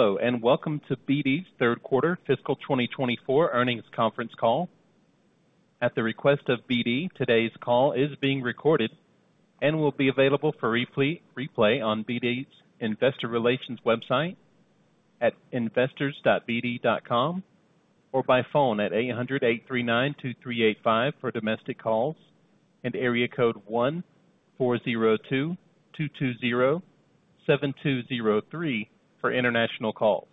Hello, and welcome to BD's third quarter fiscal 2024 earnings conference call. At the request of BD, today's call is being recorded and will be available for replay on BD's investor relations website at investors.bd.com, or by phone at 800-839-2385 for domestic calls and area code 1-402-220-7203 for international calls.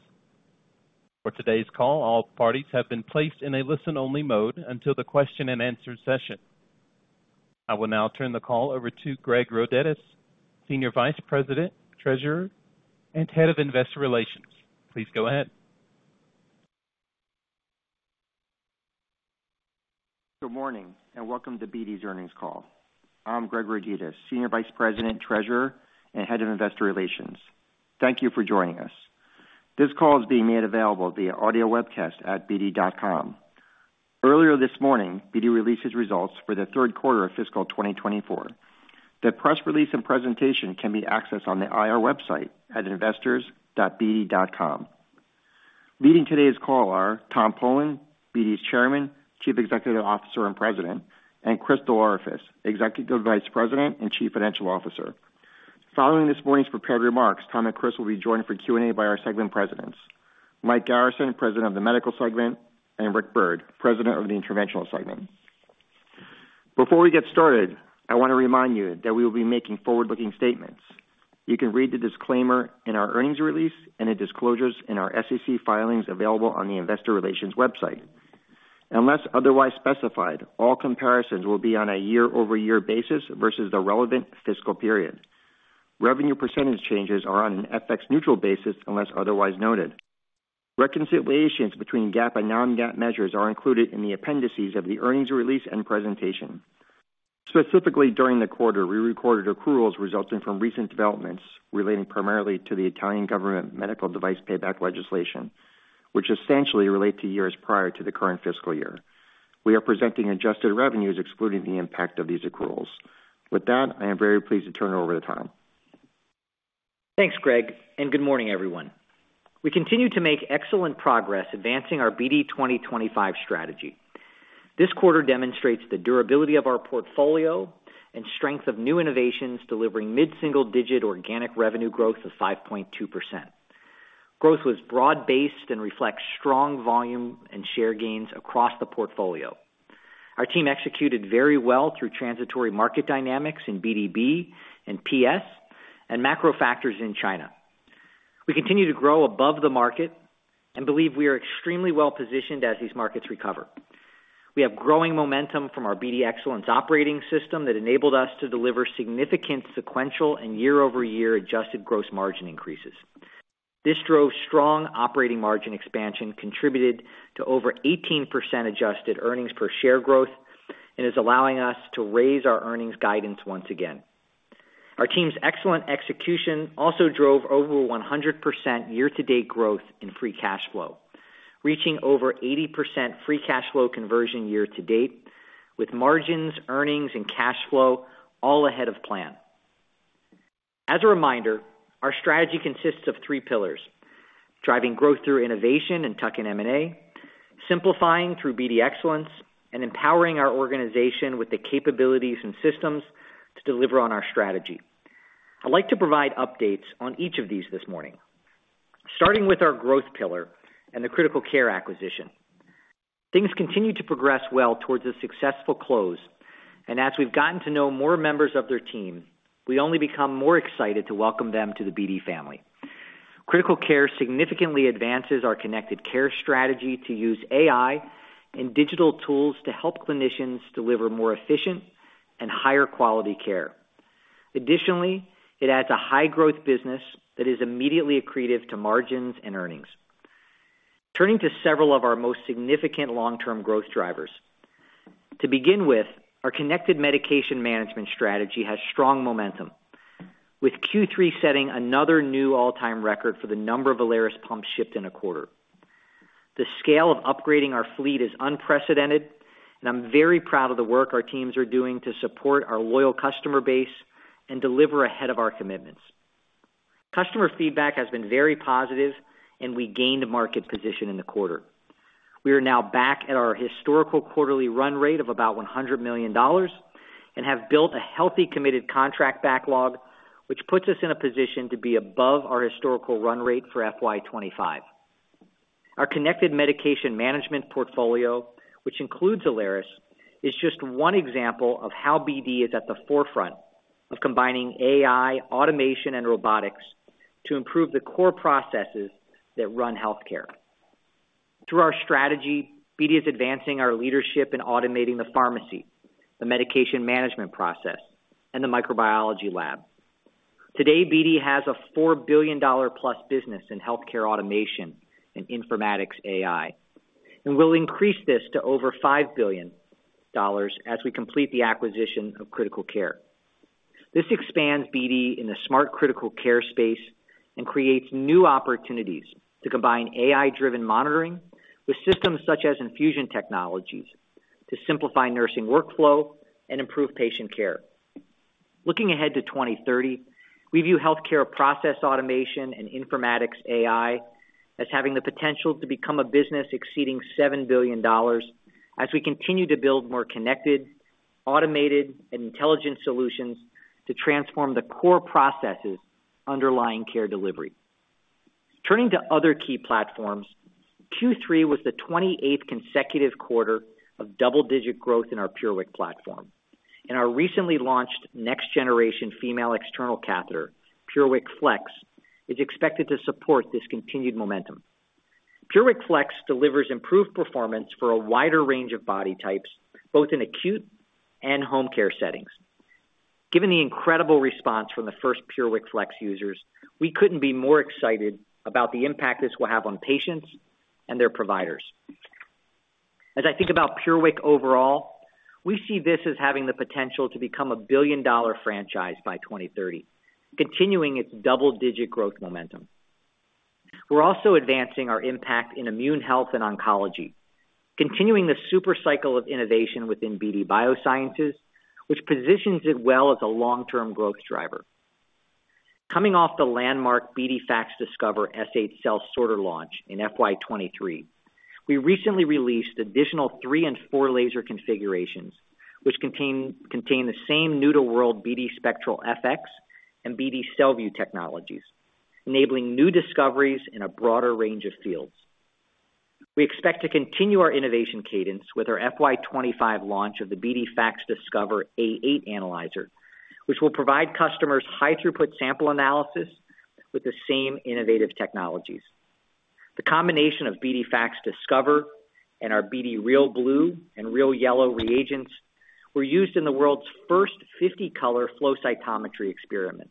For today's call, all parties have been placed in a listen-only mode until the question-and-answer session. I will now turn the call over to Greg Roditis, Senior Vice President, Treasurer, and Head of Investor Relations. Please go ahead. Good morning, and welcome to BD's earnings call. I'm Greg Roditis, Senior Vice President, Treasurer, and Head of Investor Relations. Thank you for joining us. This call is being made available via audio webcast at bd.com. Earlier this morning, BD released its results for the third quarter of fiscal 2024. The press release and presentation can be accessed on the IR website at investors.bd.com. Leading today's call are Tom Polen, BD's Chairman, Chief Executive Officer, and President, and Chris DelOrefice, Executive Vice President and Chief Financial Officer. Following this morning's prepared remarks, Tom and Chris will be joined for Q&A by our segment presidents, Mike Garrison, President of the Medical segment, and Rick Byrd, President of the Interventional segment. Before we get started, I want to remind you that we will be making forward-looking statements. You can read the disclaimer in our earnings release and the disclosures in our SEC filings available on the investor relations website. Unless otherwise specified, all comparisons will be on a year-over-year basis versus the relevant fiscal period. Revenue percentage changes are on an FX neutral basis, unless otherwise noted. Reconciliations between GAAP and non-GAAP measures are included in the appendices of the earnings release and presentation. Specifically, during the quarter, we recorded accruals resulting from recent developments relating primarily to the Italian government medical device payback legislation, which essentially relate to years prior to the current fiscal year. We are presenting adjusted revenues, excluding the impact of these accruals. With that, I am very pleased to turn it over to Tom. Thanks, Greg, and good morning, everyone. We continue to make excellent progress advancing our BD 2025 strategy. This quarter demonstrates the durability of our portfolio and strength of new innovations, delivering mid-single digit organic revenue growth of 5.2%. Growth was broad-based and reflects strong volume and share gains across the portfolio. Our team executed very well through transitory market dynamics in BDB and PS and macro factors in China. We continue to grow above the market and believe we are extremely well-positioned as these markets recover. We have growing momentum from our BD Excellence operating system that enabled us to deliver significant sequential and year-over-year adjusted gross margin increases. This drove strong operating margin expansion, contributed to over 18% adjusted earnings per share growth and is allowing us to raise our earnings guidance once again. Our team's excellent execution also drove over 100% year-to-date growth in Free Cash Flow, reaching over 80% Free Cash Flow conversion year to date, with margins, earnings, and cash flow all ahead of plan. As a reminder, our strategy consists of three pillars: driving growth through innovation and tuck-in M&A, simplifying through BD Excellence, and empowering our organization with the capabilities and systems to deliver on our strategy. I'd like to provide updates on each of these this morning. Starting with our growth pillar and the Critical Care acquisition. Things continue to progress well towards a successful close, and as we've gotten to know more members of their team, we only become more excited to welcome them to the BD family. Critical Care significantly advances our connected care strategy to use AI and digital tools to help clinicians deliver more efficient and higher quality care. Additionally, it adds a high-growth business that is immediately accretive to margins and earnings. Turning to several of our most significant long-term growth drivers. To begin with, our connected medication management strategy has strong momentum, with Q3 setting another new all-time record for the number of Alaris pumps shipped in a quarter. The scale of upgrading our fleet is unprecedented, and I'm very proud of the work our teams are doing to support our loyal customer base and deliver ahead of our commitments. Customer feedback has been very positive, and we gained market position in the quarter. We are now back at our historical quarterly run rate of about $100 million and have built a healthy, committed contract backlog, which puts us in a position to be above our historical run rate for FY 2025. Our connected medication management portfolio, which includes Alaris, is just one example of how BD is at the forefront of combining AI, automation, and robotics to improve the core processes that run healthcare. Through our strategy, BD is advancing our leadership in automating the pharmacy, the medication management process, and the microbiology lab. Today, BD has a $4 billion+ business in healthcare automation and informatics AI, and we'll increase this to over $5 billion as we complete the acquisition of Critical Care. This expands BD in the smart Critical Care space and creates new opportunities to combine AI-driven monitoring with systems such as infusion technologies to simplify nursing workflow and improve patient care.... Looking ahead to 2030, we view healthcare process automation and informatics AI as having the potential to become a business exceeding $7 billion as we continue to build more connected, automated, and intelligent solutions to transform the core processes underlying care delivery. Turning to other key platforms, Q3 was the 28th consecutive quarter of double-digit growth in our PureWick platform, and our recently launched next-generation female external catheter, PureWick Flex, is expected to support this continued momentum. PureWick Flex delivers improved performance for a wider range of body types, both in acute and home care settings. Given the incredible response from the first PureWick Flex users, we couldn't be more excited about the impact this will have on patients and their providers. As I think about PureWick overall, we see this as having the potential to become a billion-dollar franchise by 2030, continuing its double-digit growth momentum. We're also advancing our impact in immune health and oncology, continuing the super cycle of innovation within BD Biosciences, which positions it well as a long-term growth driver. Coming off the landmark BD FACSDiscover S8 Cell Sorter launch in FY 2023, we recently released additional 3 and 4 laser configurations, which contain the same new-to-world BD SpectralFX and BD CellView technologies, enabling new discoveries in a broader range of fields. We expect to continue our innovation cadence with our FY 2025 launch of the BD FACSDiscover A8 Analyzer, which will provide customers high throughput sample analysis with the same innovative technologies. The combination of BD FACSDiscover and our BD Horizon RealBlue and RealYellow reagents were used in the world's first 50-color flow cytometry experiment,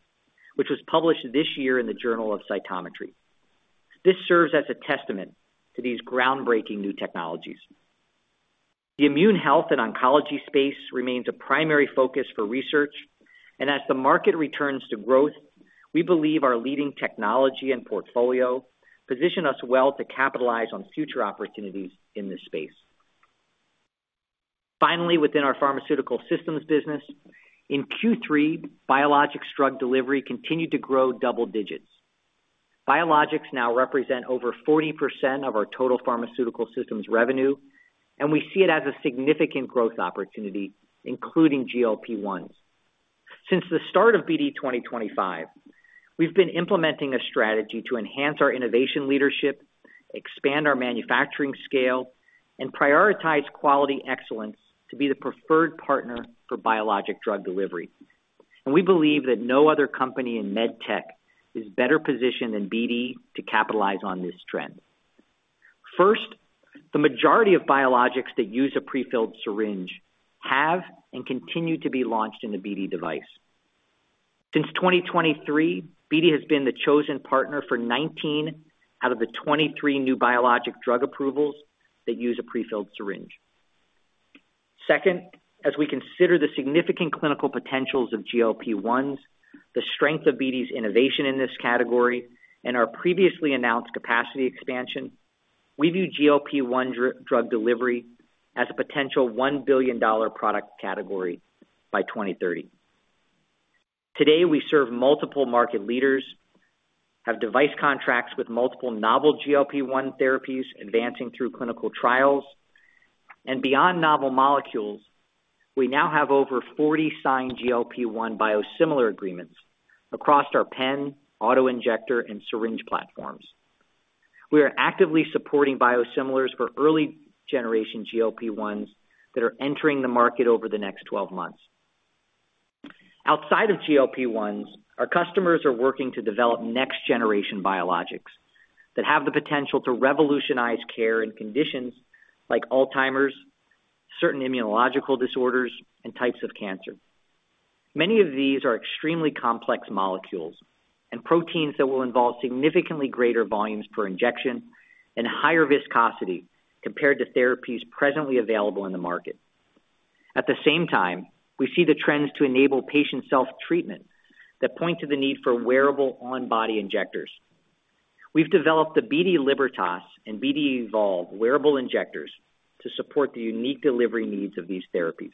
which was published this year in the Journal of Cytometry. This serves as a testament to these groundbreaking new technologies. The immune health and oncology space remains a primary focus for research, and as the market returns to growth, we believe our leading technology and portfolio position us well to capitalize on future opportunities in this space. Finally, within our Pharmaceutical Systems business, in Q3, biologics drug delivery continued to grow double digits. Biologics now represent over 40% of our total Pharmaceutical Systems revenue, and we see it as a significant growth opportunity, including GLP-1. Since the start of BD 2025, we've been implementing a strategy to enhance our innovation leadership, expand our manufacturing scale, and prioritize quality excellence to be the preferred partner for biologic drug delivery. We believe that no other company in med tech is better positioned than BD to capitalize on this trend. First, the majority of biologics that use a prefilled syringe have and continue to be launched in the BD device. Since 2023, BD has been the chosen partner for 19 out of the 23 new biologic drug approvals that use a prefilled syringe. Second, as we consider the significant clinical potentials of GLP-1, the strength of BD's innovation in this category, and our previously announced capacity expansion, we view GLP-1 drug delivery as a potential $1 billion product category by 2030. Today, we serve multiple market leaders, have device contracts with multiple novel GLP-1 therapies advancing through clinical trials, and beyond novel molecules, we now have over 40 signed GLP-1 biosimilar agreements across our pen, auto injector, and syringe platforms. We are actively supporting biosimilars for early generation GLP-1 that are entering the market over the next 12 months. Outside of GLP-1, our customers are working to develop next-generation biologics that have the potential to revolutionize care in conditions like Alzheimer's, certain immunological disorders, and types of cancer. Many of these are extremely complex molecules and proteins that will involve significantly greater volumes per injection and higher viscosity compared to therapies presently available in the market. At the same time, we see the trends to enable patient self treatment that point to the need for wearable on-body injectors. We've developed the BD Libertas and BD Evolve wearable injectors to support the unique delivery needs of these therapies.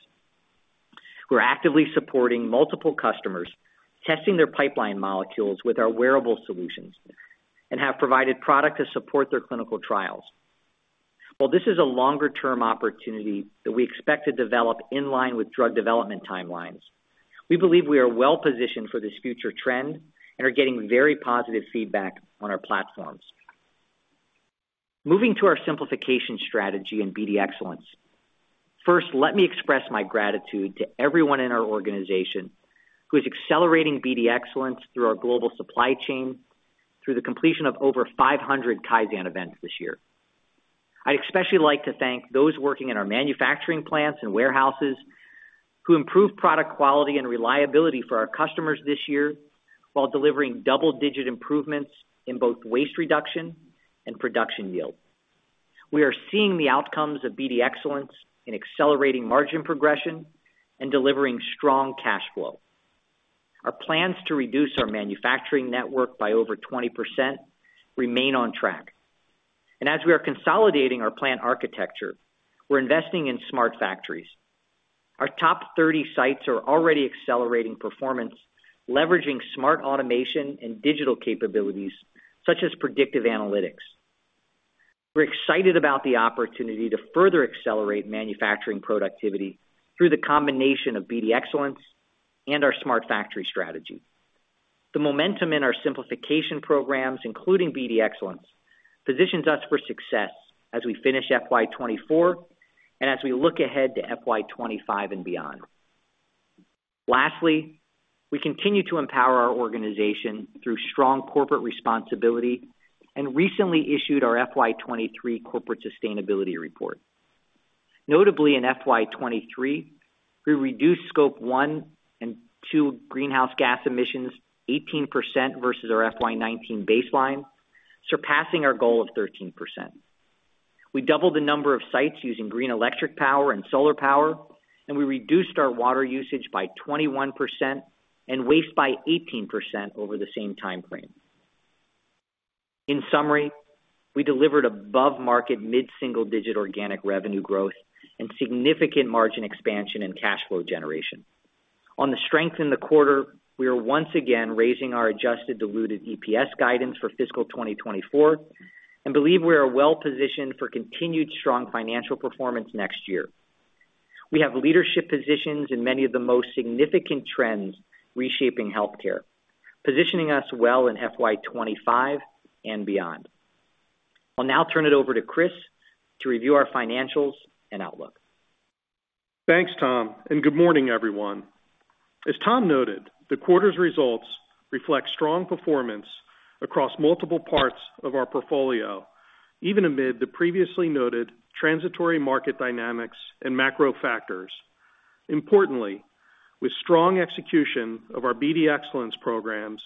We're actively supporting multiple customers, testing their pipeline molecules with our wearable solutions, and have provided product to support their clinical trials. While this is a longer-term opportunity that we expect to develop in line with drug development timelines, we believe we are well positioned for this future trend and are getting very positive feedback on our platforms. Moving to our simplification strategy and BD Excellence. First, let me express my gratitude to everyone in our organization who is accelerating BD Excellence through our global supply chain, through the completion of over 500 Kaizen events this year. I'd especially like to thank those working in our manufacturing plants and warehouses, who improved product quality and reliability for our customers this year while delivering double-digit improvements in both waste reduction and production yield. We are seeing the outcomes of BD Excellence in accelerating margin progression and delivering strong cash flow. Our plans to reduce our manufacturing network by over 20% remain on track. As we are consolidating our plant architecture, we're investing in smart factories. Our top 30 sites are already accelerating performance, leveraging smart automation and digital capabilities, such as predictive analytics. We're excited about the opportunity to further accelerate manufacturing productivity through the combination of BD Excellence and our smart factory strategy. The momentum in our simplification programs, including BD Excellence, positions us for success as we finish FY 2024 and as we look ahead to FY 2025 and beyond. Lastly, we continue to empower our organization through strong corporate responsibility and recently issued our FY 2023 corporate sustainability report. Notably, in FY 2023, we reduced Scope 1 and 2 greenhouse gas emissions 18% versus our FY 2019 baseline, surpassing our goal of 13%. We doubled the number of sites using green electric power and solar power, and we reduced our water usage by 21% and waste by 18% over the same time frame. In summary, we delivered above market, mid-single-digit organic revenue growth and significant margin expansion and cash flow generation. On the strength in the quarter, we are once again raising our Adjusted Diluted EPS guidance for fiscal 2024 and believe we are well positioned for continued strong financial performance next year. We have leadership positions in many of the most significant trends reshaping healthcare, positioning us well in FY 25 and beyond. I'll now turn it over to Chris to review our financials and outlook. Thanks, Tom, and good morning, everyone. As Tom noted, the quarter's results reflect strong performance across multiple parts of our portfolio, even amid the previously noted transitory market dynamics and macro factors. Importantly, with strong execution of our BD Excellence programs,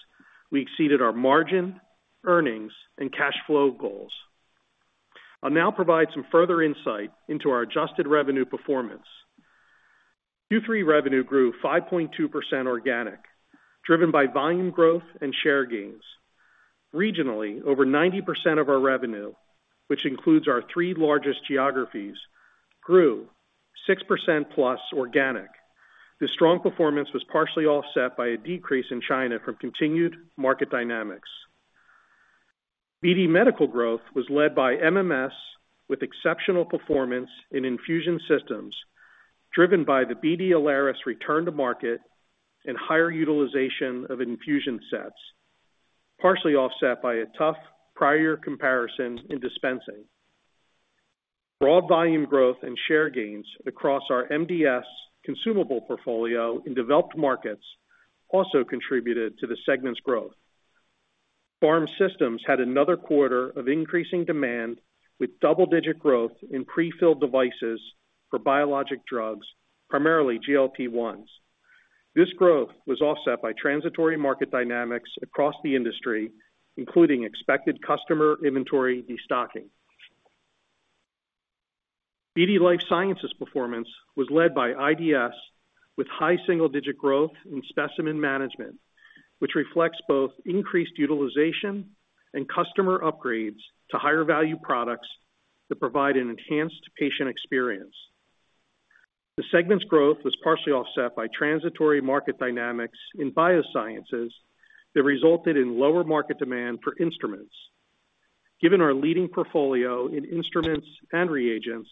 we exceeded our margin, earnings, and cash flow goals. I'll now provide some further insight into our adjusted revenue performance. Q3 revenue grew 5.2% organic, driven by volume growth and share gains. Regionally, over 90% of our revenue, which includes our three largest geographies, grew 6%+ organic. This strong performance was partially offset by a decrease in China from continued market dynamics. BD Medical growth was led by MMS, with exceptional performance in infusion systems, driven by the BD Alaris return to market and higher utilization of infusion sets, partially offset by a tough prior comparison in dispensing. Broad volume growth and share gains across our MDS consumable portfolio in developed markets also contributed to the segment's growth. Pharm Systems had another quarter of increasing demand, with double-digit growth in prefilled devices for biologic drugs, primarily GLP-1s. This growth was offset by transitory market dynamics across the industry, including expected customer inventory destocking. BD Life Sciences performance was led by IDS, with high single-digit growth in specimen management, which reflects both increased utilization and customer upgrades to higher value products that provide an enhanced patient experience. The segment's growth was partially offset by transitory market dynamics in Biosciences that resulted in lower market demand for instruments. Given our leading portfolio in instruments and reagents,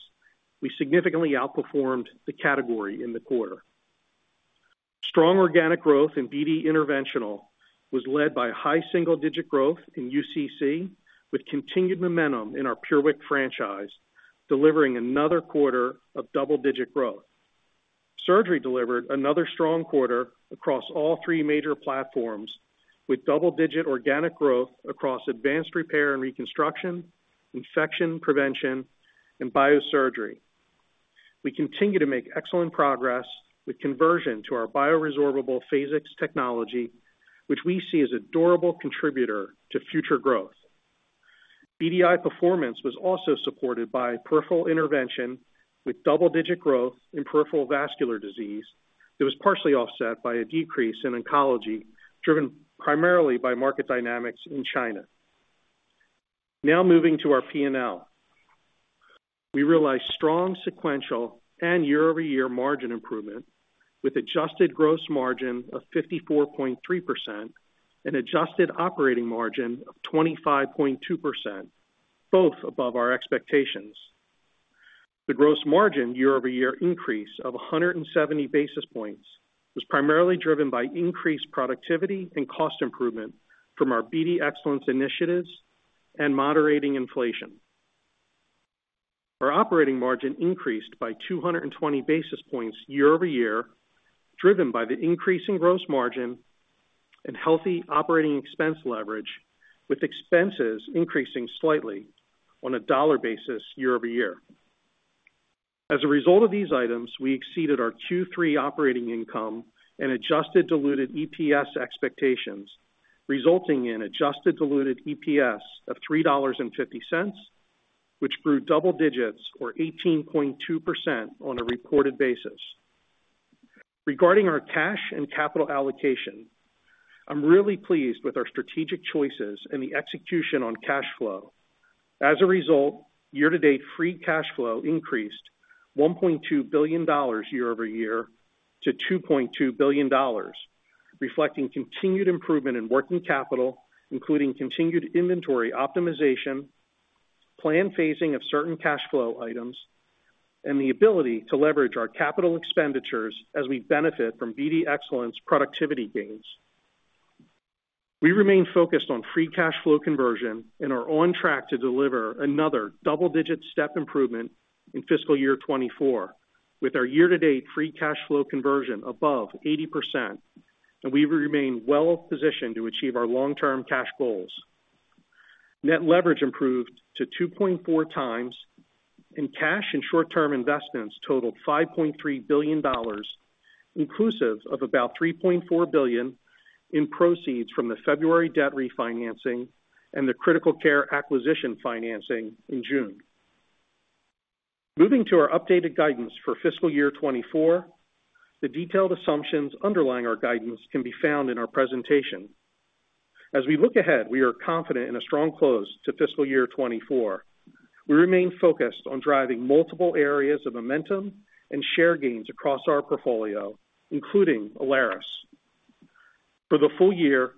we significantly outperformed the category in the quarter. Strong organic growth in BD Interventional was led by high single-digit growth in UCC, with continued momentum in our PureWick franchise, delivering another quarter of double-digit growth. Surgery delivered another strong quarter across all three major platforms, with double-digit organic growth across Advanced Repair and Reconstruction, Infection Prevention, and Biosurgery. We continue to make excellent progress with conversion to our bioresorbable Phasix technology, which we see as a durable contributor to future growth. BDI performance was also supported by Peripheral Intervention, with double-digit growth in peripheral vascular disease that was partially offset by a decrease in oncology, driven primarily by market dynamics in China. Now moving to our P&L. We realized strong sequential and year-over-year margin improvement, with adjusted gross margin of 54.3% and adjusted operating margin of 25.2%, both above our expectations. The gross margin year-over-year increase of 170 basis points was primarily driven by increased productivity and cost improvement from our BD Excellence initiatives and moderating inflation. Our operating margin increased by 220 basis points year-over-year, driven by the increasing gross margin and healthy operating expense leverage, with expenses increasing slightly on a dollar basis year-over-year. As a result of these items, we exceeded our Q3 operating income and adjusted diluted EPS expectations, resulting in adjusted diluted EPS of $3.50, which grew double digits, or 18.2% on a reported basis. Regarding our cash and capital allocation, I'm really pleased with our strategic choices and the execution on cash flow. As a result, year-to-date free cash flow increased $1.2 billion year-over-year to $2.2 billion, reflecting continued improvement in working capital, including continued inventory optimization, plan phasing of certain cash flow items, and the ability to leverage our capital expenditures as we benefit from BD Excellence productivity gains. We remain focused on free cash flow conversion and are on track to deliver another double-digit step improvement in fiscal year 2024, with our year-to-date free cash flow conversion above 80%, and we remain well positioned to achieve our long-term cash goals. Net leverage improved to 2.4 times, and cash and short-term investments totaled $5.3 billion, inclusive of about $3.4 billion in proceeds from the February debt refinancing and the Critical Care acquisition financing in June. Moving to our updated guidance for fiscal year 2024, the detailed assumptions underlying our guidance can be found in our presentation. As we look ahead, we are confident in a strong close to fiscal year 2024. We remain focused on driving multiple areas of momentum and share gains across our portfolio, including Alaris. For the full year,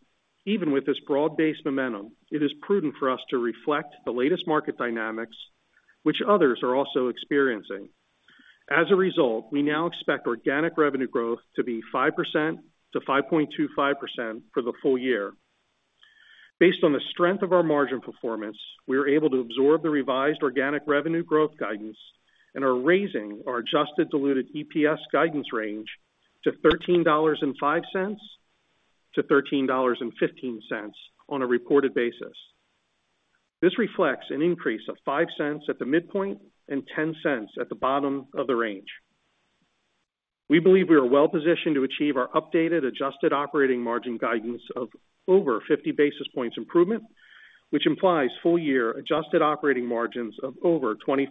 even with this broad-based momentum, it is prudent for us to reflect the latest market dynamics, which others are also experiencing. As a result, we now expect organic revenue growth to be 5%-5.25% for the full year. Based on the strength of our margin performance, we are able to absorb the revised organic revenue growth guidance and are raising our adjusted diluted EPS guidance range to $13.05-$13.15 on a reported basis. This reflects an increase of $0.05 at the midpoint and $0.10 at the bottom of the range. We believe we are well positioned to achieve our updated adjusted operating margin guidance of over 50 basis points improvement, which implies full-year adjusted operating margins of over 24%.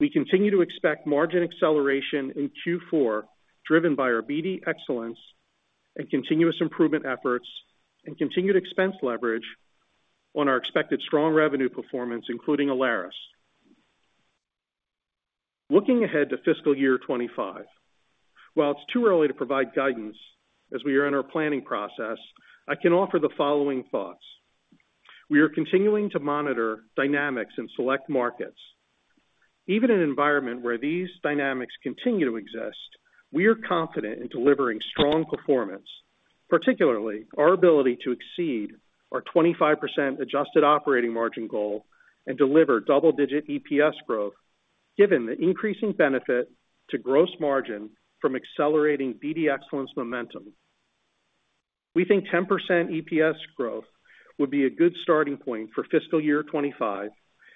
We continue to expect margin acceleration in Q4, driven by our BD Excellence and continuous improvement efforts and continued expense leverage on our expected strong revenue performance, including Alaris. Looking ahead to fiscal year 2025, while it's too early to provide guidance, as we are in our planning process, I can offer the following thoughts: We are continuing to monitor dynamics in select markets. Even in an environment where these dynamics continue to exist, we are confident in delivering strong performance, particularly our ability to exceed our 25% adjusted operating margin goal and deliver double-digit EPS growth, given the increasing benefit to gross margin from accelerating BD Excellence momentum. We think 10% EPS growth would be a good starting point for fiscal year 2025,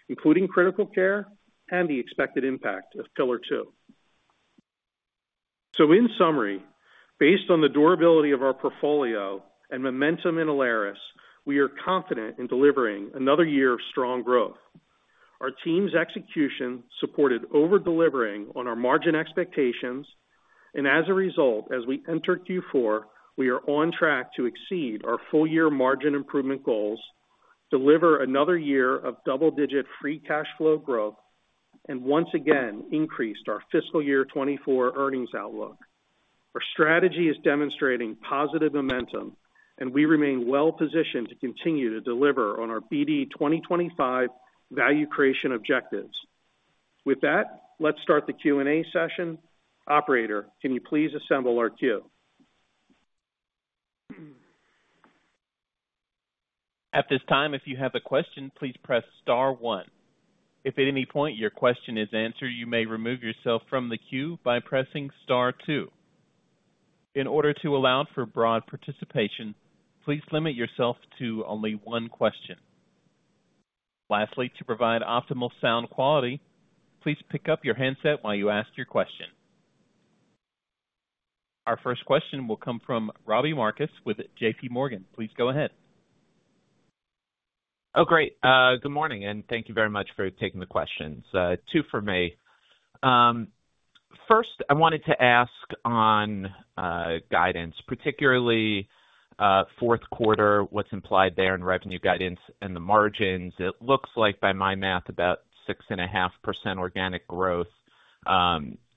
including Critical Care and the expected impact of Pillar Two. So in summary, based on the durability of our portfolio and momentum in Alaris, we are confident in delivering another year of strong growth. Our team's execution supported over-delivering on our margin expectations, and as a result, as we enter Q4, we are on track to exceed our full-year margin improvement goals, deliver another year of double-digit free cash flow growth, and once again increased our fiscal year 2024 earnings outlook. Our strategy is demonstrating positive momentum, and we remain well positioned to continue to deliver on our BD 2025 value creation objectives. With that, let's start the Q&A session. Operator, can you please assemble our queue? At this time, if you have a question, please press star one. If at any point your question is answered, you may remove yourself from the queue by pressing star two. In order to allow for broad participation, please limit yourself to only one question. Lastly, to provide optimal sound quality, please pick up your handset while you ask your question. Our first question will come from Robbie Marcus with JP Morgan. Please go ahead. Oh, great. Good morning, and thank you very much for taking the questions. Two for me. First, I wanted to ask on guidance, particularly fourth quarter, what's implied there in revenue guidance and the margins. It looks like, by my math, about 6.5% organic growth,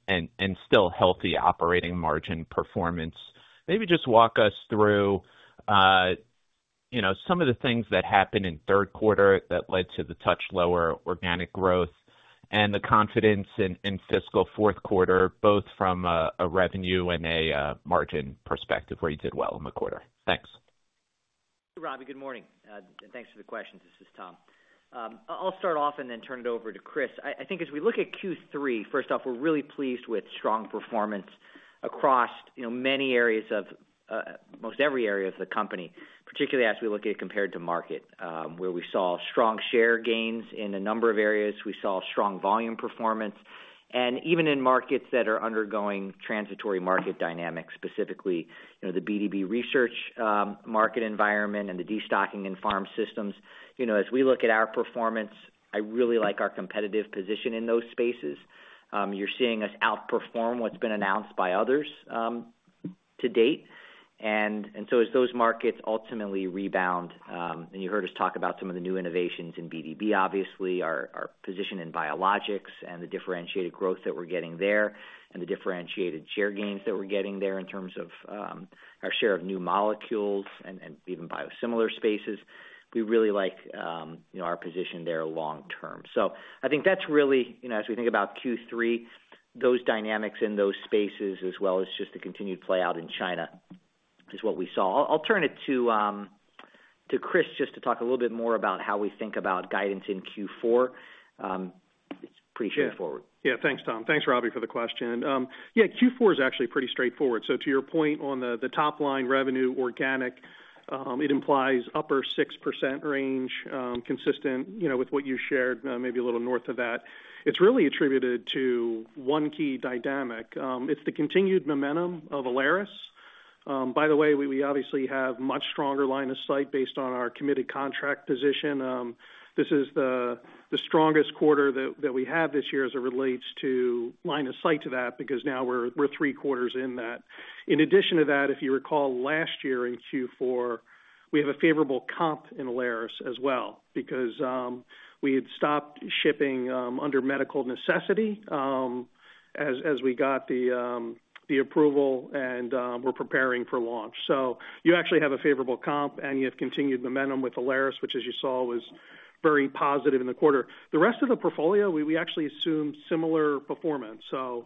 and still healthy operating margin performance. Maybe just walk us through, you know, some of the things that happened in third quarter that led to the touch lower organic growth and the confidence in fiscal fourth quarter, both from a revenue and a margin perspective, where you did well in the quarter. Thanks. Robbie, good morning, and thanks for the questions. This is Tom. I'll start off and then turn it over to Chris. I think as we look at Q3, first off, we're really pleased with strong performance across, you know, many areas of, almost every area of the company, particularly as we look at compared to market, where we saw strong share gains in a number of areas. We saw strong volume performance, and even in markets that are undergoing transitory market dynamics, specifically, you know, the BD's research, market environment and the destocking in Pharm Systems. You know, as we look at our performance, I really like our competitive position in those spaces. You're seeing us outperform what's been announced by others, to date. So as those markets ultimately rebound, and you heard us talk about some of the new innovations in BD, obviously, our position in biologics and the differentiated growth that we're getting there, and the differentiated share gains that we're getting there in terms of our share of new molecules and even biosimilar spaces, we really like, you know, our position there long term. So I think that's really, you know, as we think about Q3, those dynamics in those spaces, as well as just the continued play out in China, is what we saw. I'll turn it to Chris, just to talk a little bit more about how we think about guidance in Q4. It's pretty straightforward. Yeah. Thanks, Tom. Thanks, Robbie, for the question. Yeah, Q4 is actually pretty straightforward. So to your point on the top line revenue organic, it implies upper 6% range, consistent, you know, with what you shared, maybe a little north of that. It's really attributed to one key dynamic. It's the continued momentum of Alaris. By the way, we obviously have much stronger line of sight based on our committed contract position. This is the strongest quarter that we have this year as it relates to line of sight to that, because now we're three quarters in that. In addition to that, if you recall, last year in Q4, we have a favorable comp in Alaris as well, because we had stopped shipping under medical necessity, as we got the approval and we're preparing for launch. So you actually have a favorable comp, and you have continued momentum with Alaris, which, as you saw, was very positive in the quarter. The rest of the portfolio, we actually assume similar performance. So,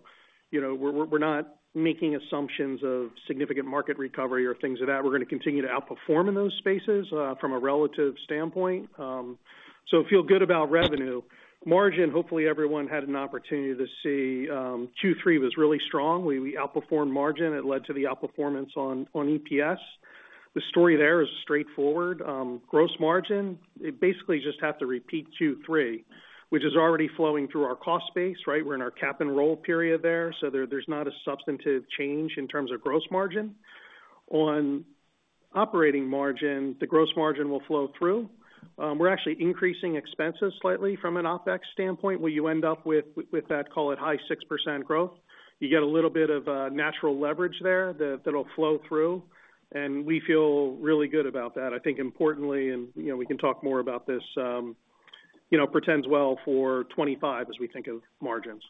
you know, we're not making assumptions of significant market recovery or things of that. We're going to continue to outperform in those spaces from a relative standpoint. So feel good about revenue. Margin, hopefully everyone had an opportunity to see, Q3 was really strong. We outperformed margin. It led to the outperformance on EPS. The story there is straightforward. Gross margin, it basically just have to repeat Q3, which is already flowing through our cost base, right? We're in our cap and roll period there, so there, there's not a substantive change in terms of gross margin. On operating margin, the gross margin will flow through. We're actually increasing expenses slightly from an OpEx standpoint, where you end up with, with that, call it, high 6% growth. You get a little bit of natural leverage there that'll flow through, and we feel really good about that. I think importantly, and, you know, we can talk more about this, you know, portends well for 25 as we think of margins.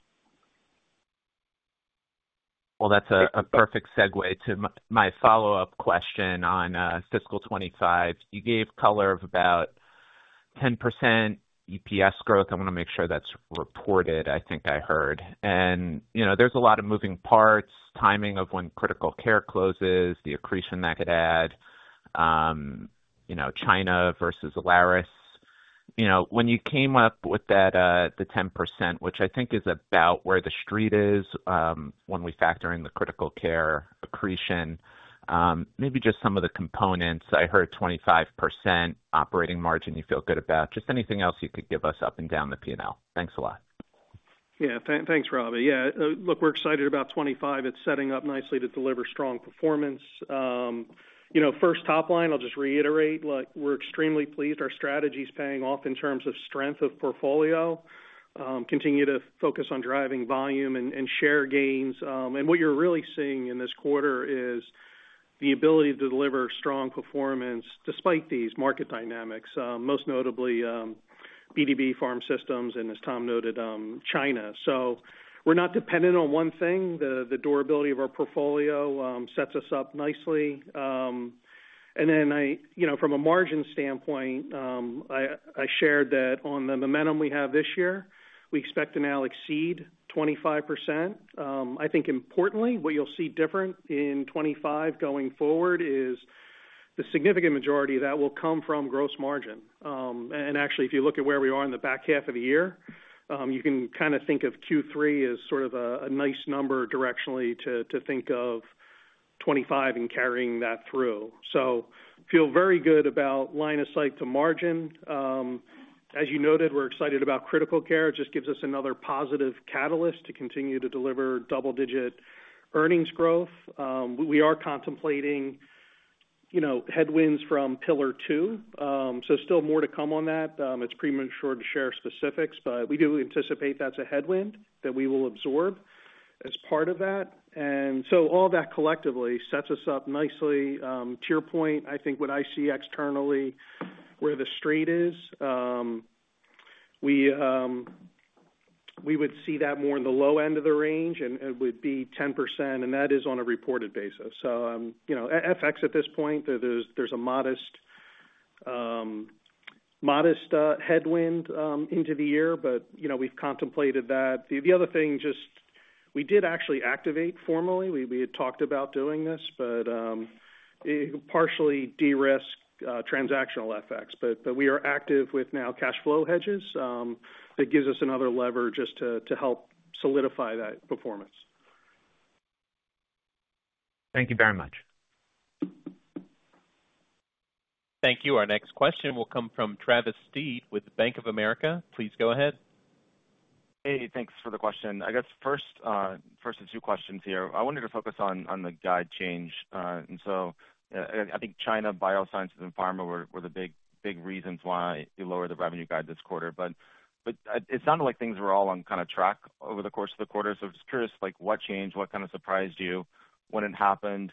Well, that's a perfect segue to my follow-up question on fiscal 2025. You gave color of about 10% EPS growth. I want to make sure that's reported, I think I heard. You know, there's a lot of moving parts, timing of when Critical Care closes, the accretion that could add, you know, China versus Alaris. You know, when you came up with that, the 10%, which I think is about where the street is, when we factor in the Critical Care accretion, maybe just some of the components. I heard 25% operating margin, you feel good about. Just anything else you could give us up and down the P&L. Thanks a lot. Yeah, thanks, Robbie. Yeah, look, we're excited about 25. It's setting up nicely to deliver strong performance. You know, first, top line, I'll just reiterate, like, we're extremely pleased. Our strategy is paying off in terms of strength of portfolio, continue to focus on driving volume and share gains. And what you're really seeing in this quarter is the ability to deliver strong performance despite these market dynamics, most notably, BD pharmacy systems, and as Tom noted, China. So we're not dependent on one thing. The durability of our portfolio sets us up nicely. And then, you know, from a margin standpoint, I shared that on the momentum we have this year, we expect to now exceed 25%. I think importantly, what you'll see different in 25 going forward is the significant majority of that will come from gross margin. And actually, if you look at where we are in the back half of the year, you can kind of think of Q3 as sort of a nice number directionally to think of 25 and carrying that through. So feel very good about line of sight to margin. As you noted, we're excited about Critical Care. It just gives us another positive catalyst to continue to deliver double-digit earnings growth. We are contemplating, you know, headwinds from Pillar Two, so still more to come on that. It's premature to share specifics, but we do anticipate that's a headwind that we will absorb as part of that. And so all that collectively sets us up nicely. To your point, I think what I see externally, where the street is, we would see that more in the low end of the range, and it would be 10%, and that is on a reported basis. So, you know, FX, at this point, there's a modest, modest headwind into the year, but, you know, we've contemplated that. The other thing, just we did actually activate formally. We had talked about doing this, but it partially de-risk transactional effects. But we are active with now cash flow hedges. That gives us another lever just to help solidify that performance. Thank you very much. Thank you. Our next question will come from Travis Steed with Bank of America. Please go ahead. Hey, thanks for the question. I guess first, first of two questions here. I wanted to focus on, on the guide change. And so, I think China, Biosciences, and pharma were, were the big, big reasons why you lowered the revenue guide this quarter. But, but, it sounded like things were all on kind of track over the course of the quarter. So I was just curious, like, what changed? What kind of surprised you? When it happened?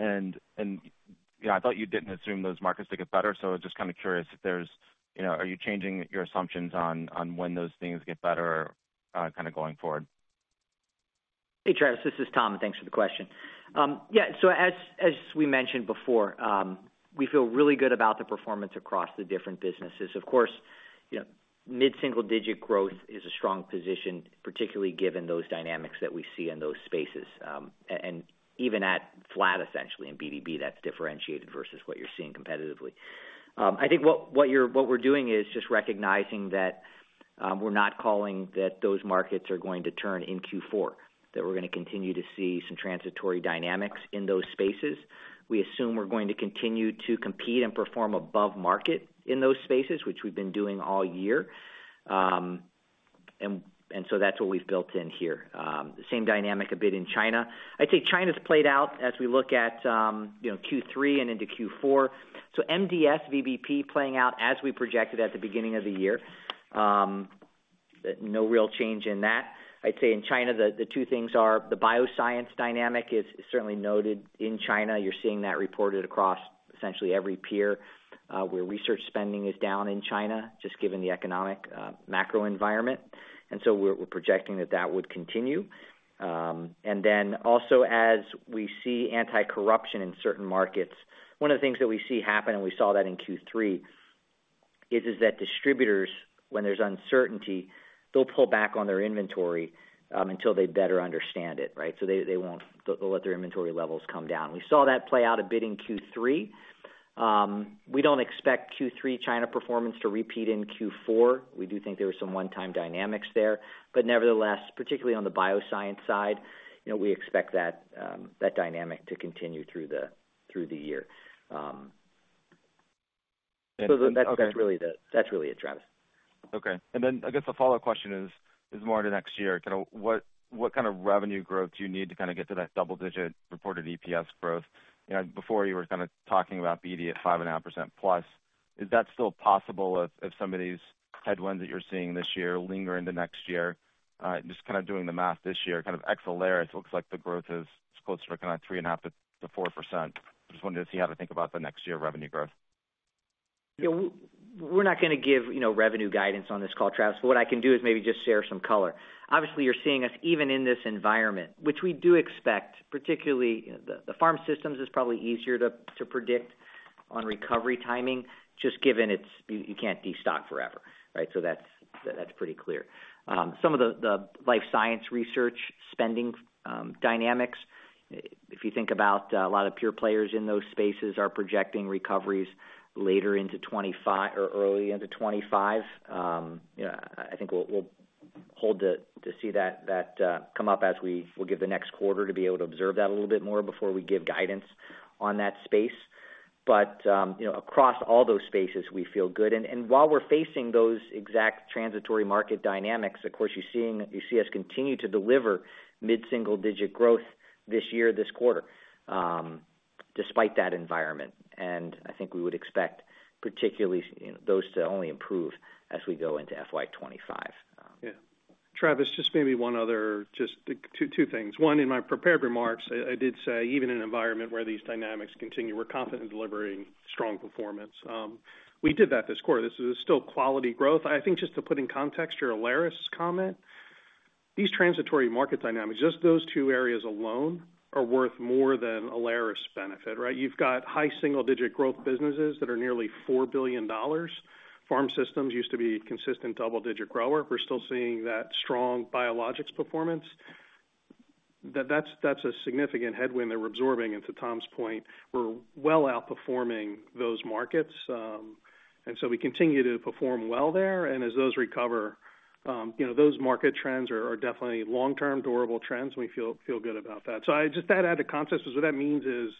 Yeah, I thought you didn't assume those markets to get better, so I was just kind of curious if there's, you know, are you changing your assumptions on when those things get better kind of going forward? Hey, Travis, this is Tom. Thanks for the question. Yeah, so as we mentioned before, we feel really good about the performance across the different businesses. Of course, you know, mid-single digit growth is a strong position, particularly given those dynamics that we see in those spaces. And even at flat, essentially, in BD Biosciences, that's differentiated versus what you're seeing competitively. I think what we're doing is just recognizing that we're not calling that those markets are going to turn in Q4, that we're gonna continue to see some transitory dynamics in those spaces. We assume we're going to continue to compete and perform above market in those spaces, which we've been doing all year. And so that's what we've built in here. The same dynamic a bit in China. I'd say China's played out as we look at, you know, Q3 and into Q4. So MDS, VBP playing out as we projected at the beginning of the year. No real change in that. I'd say in China, the two things are: the Bioscience dynamic is certainly noted in China. You're seeing that reported across essentially every peer, where research spending is down in China, just given the economic, macro environment. And so we're projecting that that would continue. And then also, as we see anti-corruption in certain markets, one of the things that we see happen, and we saw that in Q3, is that distributors, when there's uncertainty, they'll pull back on their inventory, until they better understand it, right? So they won't... They'll let their inventory levels come down. We saw that play out a bit in Q3. We don't expect Q3 China performance to repeat in Q4. We do think there were some one-time dynamics there. But nevertheless, particularly on the Bioscience side, you know, we expect that dynamic to continue through the year. So that's really the. Okay. That's really it, Travis. Okay. And then I guess the follow-up question is more into next year. Kind of what kind of revenue growth do you need to kind of get to that double-digit reported EPS growth? You know, before you were kind of talking about BD at 5.5% plus. Is that still possible if some of these headwinds that you're seeing this year linger into next year? Just kind of doing the math this year, kind of ex Alaris, it looks like the growth is close to kind of 3.5%-4%. Just wondering to see how to think about the next year revenue growth. Yeah, we're not gonna give, you know, revenue guidance on this call, Travis, but what I can do is maybe just share some color. Obviously, you're seeing us even in this environment, which we do expect, particularly the pharma systems is probably easier to predict on recovery timing, just given it's, you can't destock forever, right? So that's pretty clear. Some of the life science research spending dynamics, if you think about, a lot of peer players in those spaces are projecting recoveries later into 2025 or early into 2025. You know, I think we'll hold to see that come up as we'll give the next quarter to be able to observe that a little bit more before we give guidance on that space. But, you know, across all those spaces, we feel good. While we're facing those exact transitory market dynamics, of course, you're seeing, you see us continue to deliver mid-single-digit growth this year, this quarter, despite that environment. I think we would expect, particularly, you know, those to only improve as we go into FY25. Yeah. Travis, just maybe one other. Just two, two things. One, in my prepared remarks, I, I did say, even in an environment where these dynamics continue, we're confident in delivering strong performance. We did that this quarter. This is still quality growth. I think just to put in context, your Alaris comment, these transitory market dynamics, just those two areas alone, are worth more than Alaris benefit, right? You've got high single-digit growth businesses that are nearly $4 billion. Pharm Systems used to be a consistent double-digit grower. We're still seeing that strong biologics performance. That's, that's a significant headwind they're absorbing, and to Tom's point, we're well outperforming those markets. And so we continue to perform well there, and as those recover, you know, those market trends are, are definitely long-term, durable trends, and we feel, feel good about that. So I just... To add to context, is what that means is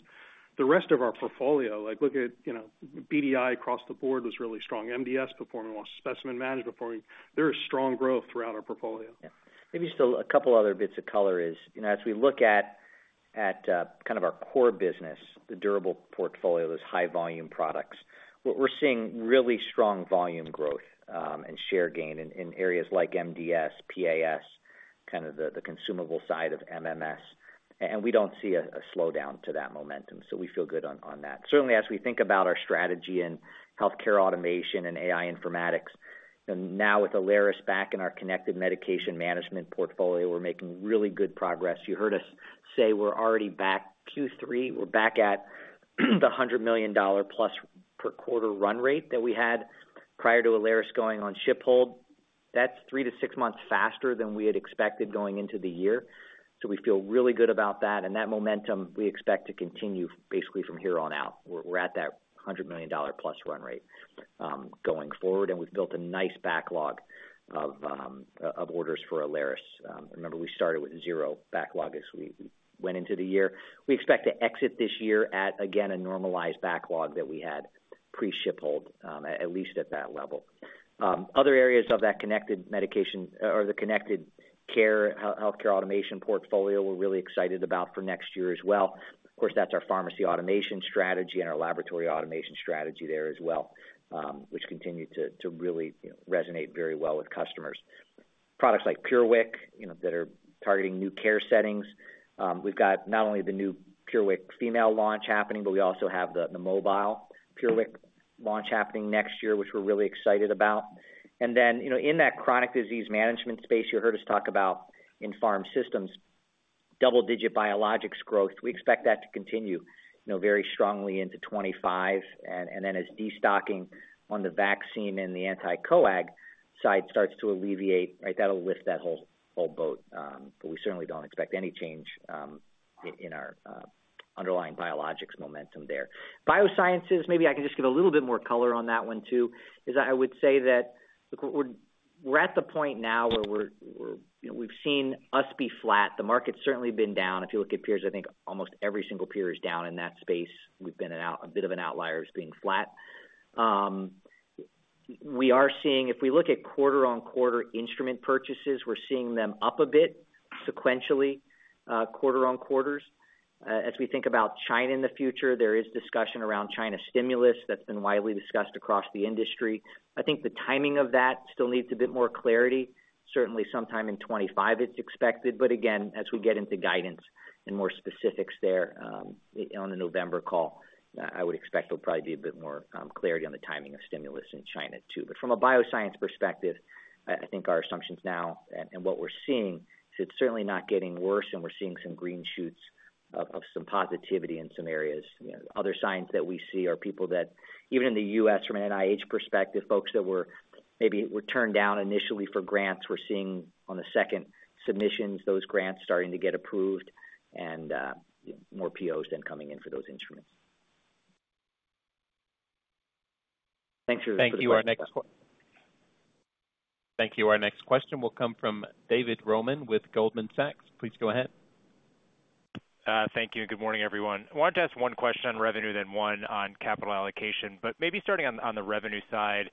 the rest of our portfolio, like, you know, BDI across the board was really strong. MDS performing well, Specimen Management performing. There is strong growth throughout our portfolio. Yeah. Maybe just a couple other bits of color is, you know, as we look at kind of our core business, the durable portfolio, those high volume products, what we're seeing really strong volume growth, and share gain in areas like MDS, PAS, kind of the consumable side of MMS, and we don't see a slowdown to that momentum, so we feel good on that. Certainly, as we think about our strategy in healthcare automation and AI informatics, and now with Alaris back in our connected medication management portfolio, we're making really good progress. You heard us say we're already back, Q3, we're back at the $100 million plus per quarter run rate that we had prior to Alaris going on ship hold. That's three to six months faster than we had expected going into the year. So we feel really good about that, and that momentum we expect to continue basically from here on out. We're at that $100 million+ run rate going forward, and we've built a nice backlog of orders for Alaris. Remember, we started with zero backlog as we went into the year. We expect to exit this year at, again, a normalized backlog that we had pre-ship hold, at least at that level. Other areas of that connected medication or the connected care, healthcare automation portfolio we're really excited about for next year as well. Of course, that's our pharmacy automation strategy and our laboratory automation strategy there as well, which continue to really, you know, resonate very well with customers... products like PureWick, you know, that are targeting new care settings. We've got not only the new PureWick Female launch happening, but we also have the mobile PureWick launch happening next year, which we're really excited about. And then, you know, in that chronic disease management space, you heard us talk about in Pharm Systems, double-digit biologics growth. We expect that to continue, you know, very strongly into 25. And then as destocking on the vaccine and the anti-coag side starts to alleviate, right, that'll lift that whole boat. But we certainly don't expect any change in our underlying biologics momentum there. Biosciences, maybe I can just give a little bit more color on that one, too. As I would say that look, we're at the point now where we're you know, we've seen us be flat. The market's certainly been down. If you look at peers, I think almost every single peer is down in that space. We've been a bit of an outlier as being flat. We are seeing... If we look at quarter-on-quarter instrument purchases, we're seeing them up a bit sequentially, quarter-on-quarter. As we think about China in the future, there is discussion around China stimulus that's been widely discussed across the industry. I think the timing of that still needs a bit more clarity. Certainly sometime in 25, it's expected. But again, as we get into guidance and more specifics there, on the November call, I would expect there'll probably be a bit more clarity on the timing of stimulus in China, too. But from a Bioscience perspective, I think our assumptions now and what we're seeing is it's certainly not getting worse, and we're seeing some green shoots of some positivity in some areas. You know, other signs that we see are people that, even in the U.S., from an NIH perspective, folks that were maybe turned down initially for grants, we're seeing on the second submissions, those grants starting to get approved, and more POs then coming in for those instruments. Thank you. Thank you. Our next question will come from David Roman with Goldman Sachs. Please go ahead. Thank you, and good morning, everyone. I wanted to ask one question on revenue, then one on capital allocation. But maybe starting on the revenue side,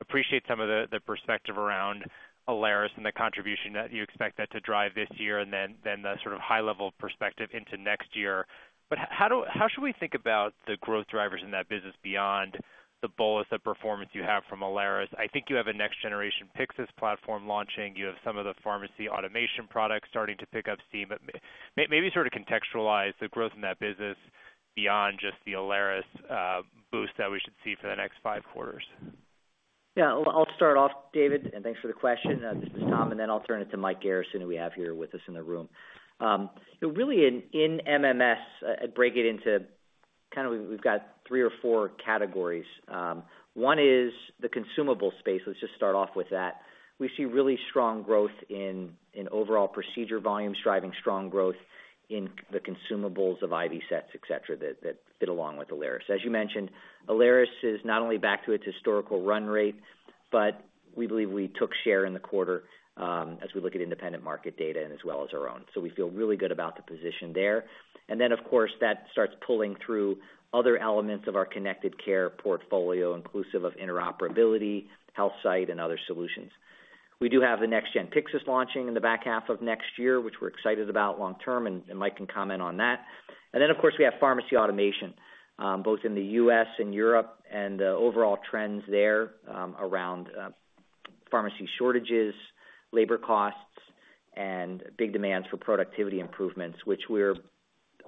appreciate some of the perspective around Alaris and the contribution that you expect that to drive this year, and then the sort of high-level perspective into next year. But how should we think about the growth drivers in that business beyond the bolus of performance you have from Alaris? I think you have a next-generation Pyxis platform launching. You have some of the pharmacy automation products starting to pick up steam. But maybe sort of contextualize the growth in that business beyond just the Alaris boost that we should see for the next five quarters. Yeah. I'll, I'll start off, David, and thanks for the question. This is Tom, and then I'll turn it to Mike Garrison, who we have here with us in the room. So really in MMS, I'd break it into kind of we've got three or four categories. One is the consumable space. Let's just start off with that. We see really strong growth in overall procedure volumes, driving strong growth in the consumables of IV sets, et cetera, that fit along with Alaris. As you mentioned, Alaris is not only back to its historical run rate, but we believe we took share in the quarter, as we look at independent market data and as well as our own. So we feel really good about the position there. And then, of course, that starts pulling through other elements of our connected care portfolio, inclusive of interoperability, HealthSight, and other solutions. We do have the next-gen Pyxis launching in the back half of next year, which we're excited about long term, and Mike can comment on that. And then, of course, we have pharmacy automation both in the U.S. and Europe, and the overall trends there around pharmacy shortages, labor costs, and big demands for productivity improvements, which we're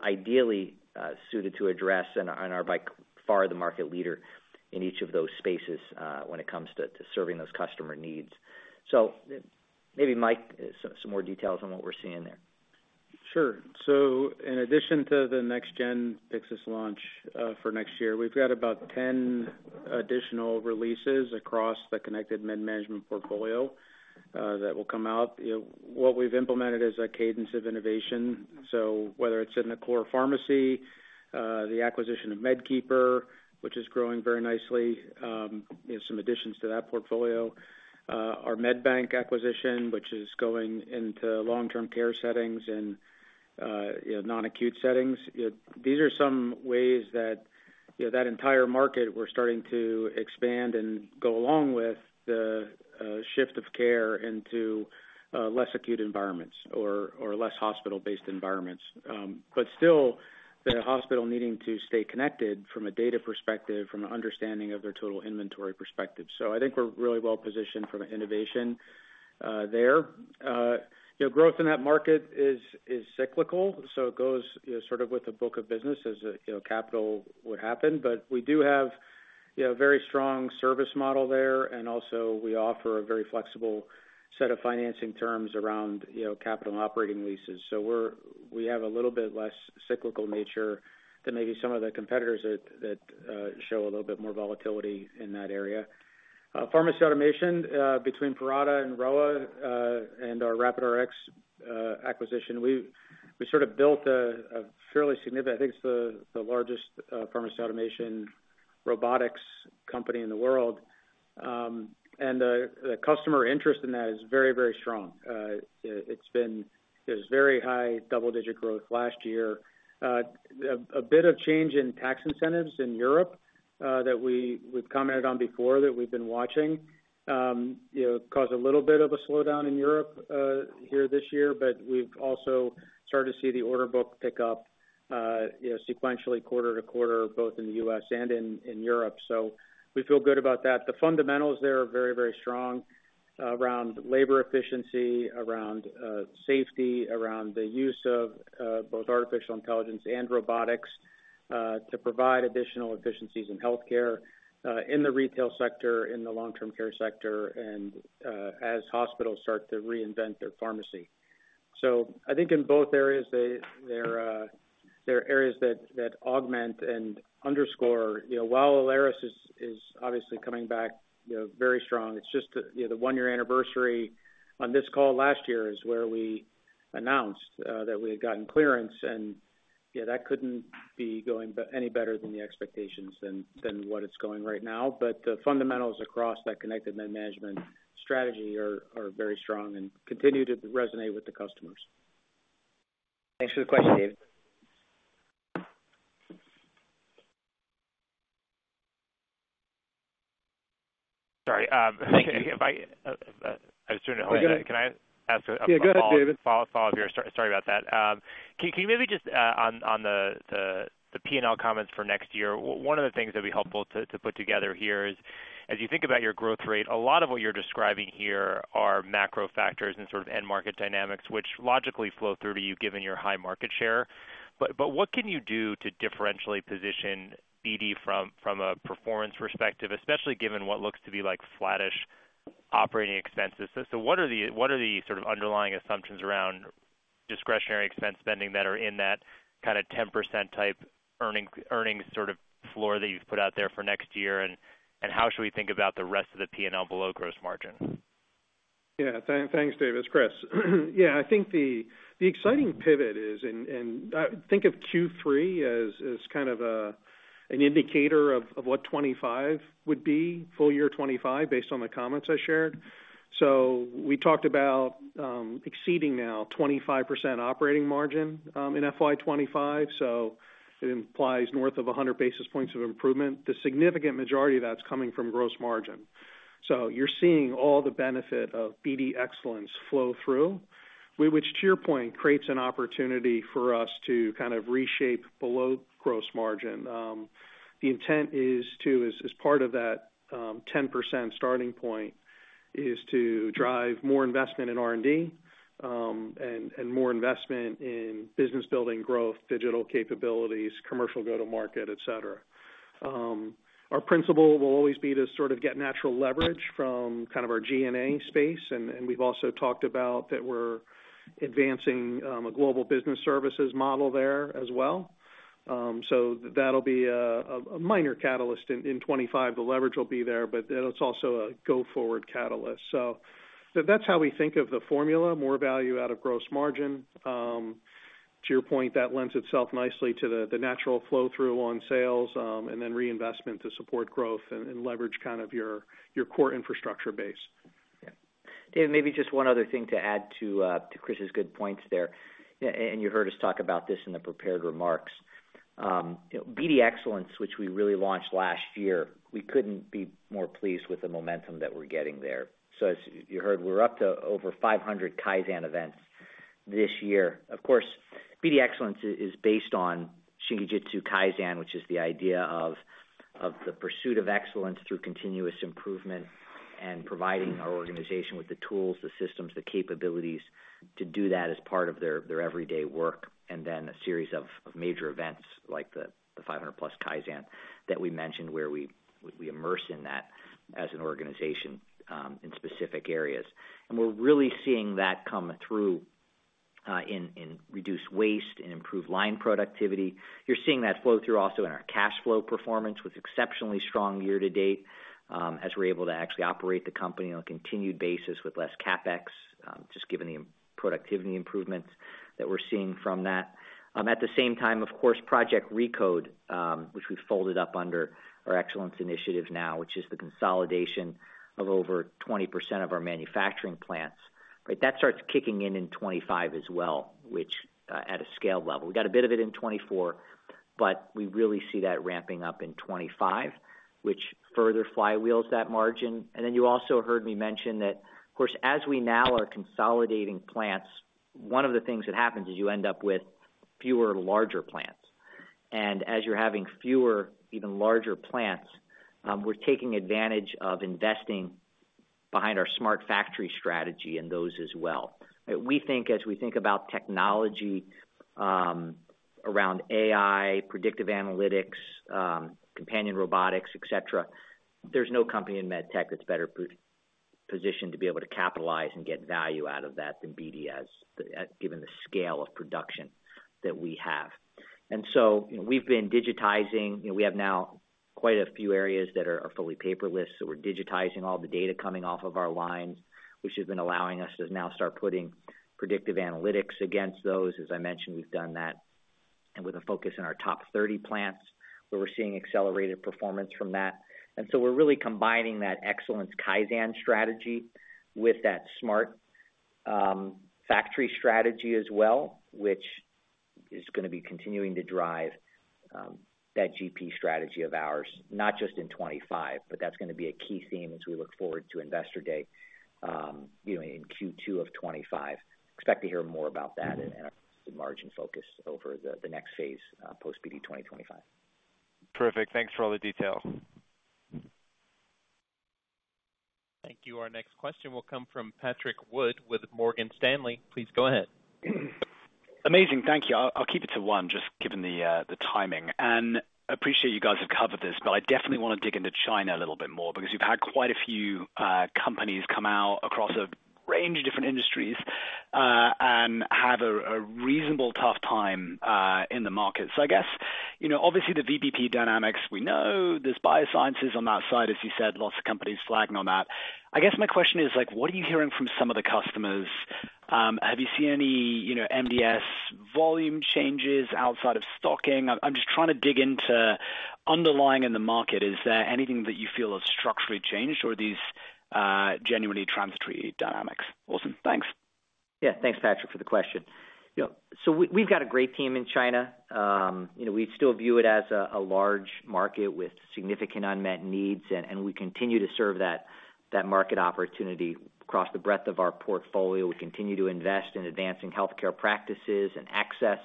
ideally suited to address and are by far the market leader in each of those spaces when it comes to serving those customer needs. So maybe, Mike, some more details on what we're seeing there. Sure. So in addition to the next-gen Pyxis launch, for next year, we've got about 10 additional releases across the connected med management portfolio, that will come out. You know, what we've implemented is a cadence of innovation. So whether it's in the core pharmacy, the acquisition of MedKeeper, which is growing very nicely, you know, some additions to that portfolio, our MedBank acquisition, which is going into long-term care settings and, you know, non-acute settings. These are some ways that, you know, that entire market, we're starting to expand and go along with the, shift of care into, less acute environments or less hospital-based environments. But still, the hospital needing to stay connected from a data perspective, from an understanding of their total inventory perspective. So I think we're really well positioned from an innovation, there. You know, growth in that market is cyclical, so it goes, you know, sort of with the book of business as, you know, capital would happen. But we do have, you know, a very strong service model there, and also, we offer a very flexible set of financing terms around, you know, capital and operating leases. So we have a little bit less cyclical nature than maybe some of the competitors that show a little bit more volatility in that area. Pharmacy automation, between Parata and Rowa, and our RapidRx acquisition, we've sort of built a fairly significant. I think it's the largest pharmacy automation robotics company in the world. And the customer interest in that is very, very strong. It's been very high double-digit growth last year. A bit of change in tax incentives in Europe, That we've commented on before, that we've been watching, you know, caused a little bit of a slowdown in Europe here this year. But we've also started to see the order book pick up, you know, sequentially quarter to quarter, both in the U.S. and in Europe. So we feel good about that. The fundamentals there are very, very strong around labor efficiency, around safety, around the use of both artificial intelligence and robotics to provide additional efficiencies in healthcare, in the retail sector, in the long-term care sector, and as hospitals start to reinvent their pharmacy. So I think in both areas, there are areas that augment and underscore. You know, while Alaris is obviously coming back, you know, very strong, it's just the, you know, the one-year anniversary on this call last year is where we announced that we had gotten clearance, and, yeah, that couldn't be going any better than the expectations than what it's going right now. But the fundamentals across that connected med management strategy are very strong and continue to resonate with the customers. Thanks for the question, David. Sorry, thank you. I just turned it on. Go ahead. Can I ask a. Yeah, go ahead, David. Follow-up here. Sorry, sorry about that. Can you maybe just, on, on the, the P&L comments for next year, one of the things that'd be helpful to, to put together here is, as you think about your growth rate, a lot of what you're describing here are macro factors and sort of end market dynamics, which logically flow through to you, given your high market share. But what can you do to differentially position BD from a performance perspective, especially given what looks to be like flattish operating expenses? So what are the sort of underlying assumptions around discretionary expense spending that are in that kind of 10% type earnings sort of floor that you've put out there for next year, and how should we think about the rest of the P&L below gross margin? Yeah, thanks, David. It's Chris. Yeah, I think the exciting pivot is, and think of Q3 as kind of an indicator of what 25 would be, full year 25, based on the comments I shared. So we talked about exceeding now 25% operating margin in FY 25, so it implies north of 100 basis points of improvement. The significant majority of that's coming from gross margin. So you're seeing all the benefit of BD Excellence flow through, which, to your point, creates an opportunity for us to kind of reshape below gross margin. The intent is to, as part of that, 10% starting point, is to drive more investment in R&D, and more investment in business building growth, digital capabilities, commercial go-to-market, et cetera. Our principle will always be to sort of get natural leverage from kind of our G&A space, and we've also talked about that we're advancing a Global Business Services model there as well. So that'll be a minor catalyst in 25. The leverage will be there, but that's also a go-forward catalyst. So that's how we think of the formula, more value out of gross margin. To your point, that lends itself nicely to the natural flow-through on sales, and then reinvestment to support growth and leverage kind of your core infrastructure base. Yeah. Dave, maybe just one other thing to add to Chris's good points there, and you heard us talk about this in the prepared remarks. You know, BD Excellence, which we really launched last year, we couldn't be more pleased with the momentum that we're getting there. So as you heard, we're up to over 500 Kaizen events this year. Of course, BD Excellence is based on Shingijutsu Kaizen, which is the idea of the pursuit of excellence through continuous improvement and providing our organization with the tools, the systems, the capabilities to do that as part of their everyday work, and then a series of major events, like the 500+ Kaizen that we mentioned, where we immerse in that as an organization, in specific areas. And we're really seeing that come through, in reduced waste and improved line productivity. You're seeing that flow-through also in our cash flow performance, with exceptionally strong year to date, as we're able to actually operate the company on a continued basis with less CapEx, just given the productivity improvements that we're seeing from that. At the same time, of course, Project Recode, which we've folded up under our excellence initiative now, which is the consolidation of over 20% of our manufacturing plants. Right, that starts kicking in in 2025 as well, which, at a scale level. We got a bit of it in 2024, but we really see that ramping up in 2025, which further flywheels that margin. And then you also heard me mention that, of course, as we now are consolidating plants, one of the things that happens is you end up with fewer larger plants. And as you're having fewer, even larger plants, we're taking advantage of investing behind our smart factory strategy and those as well. We think as we think about technology, around AI, predictive analytics, companion robotics, et cetera, there's no company in med tech that's better positioned to be able to capitalize and get value out of that than BD, given the scale of production that we have. And so we've been digitizing. We have now quite a few areas that are fully paperless, so we're digitizing all the data coming off of our lines, which has been allowing us to now start putting predictive analytics against those. As I mentioned, we've done that, and with a focus on our top 30 plants, where we're seeing accelerated performance from that. So we're really combining that Excellence Kaizen strategy with that smart factory strategy as well, which is gonna be continuing to drive that GP strategy of ours, not just in 2025, but that's gonna be a key theme as we look forward to Investor Day, you know, in Q2 of 2025. Expect to hear more about that and our margin focus over the next phase post BD 2025. Perfect. Thanks for all the detail. Thank you. Our next question will come from Patrick Wood with Morgan Stanley. Please go ahead. Amazing. Thank you. I'll keep it to one, just given the timing. I appreciate you guys have covered this, but I definitely wanna dig into China a little bit more, because you've had quite a few companies come out across a range of different industries and have a reasonably tough time in the market. So I guess, you know, obviously, the VBP dynamics, we know. There's Biosciences on that side, as you said, lots of companies flagging on that. I guess my question is, like, what are you hearing from some of the customers? Have you seen any, you know, MDS volume changes outside of stocking? I'm just trying to dig into underlying in the market. Is there anything that you feel has structurally changed, or are these genuinely transitory dynamics? Awesome. Thanks. Yeah. Thanks, Patrick, for the question. You know, so we, we've got a great team in China. You know, we still view it as a large market with significant unmet needs, and we continue to serve that market opportunity across the breadth of our portfolio. We continue to invest in advancing healthcare practices and access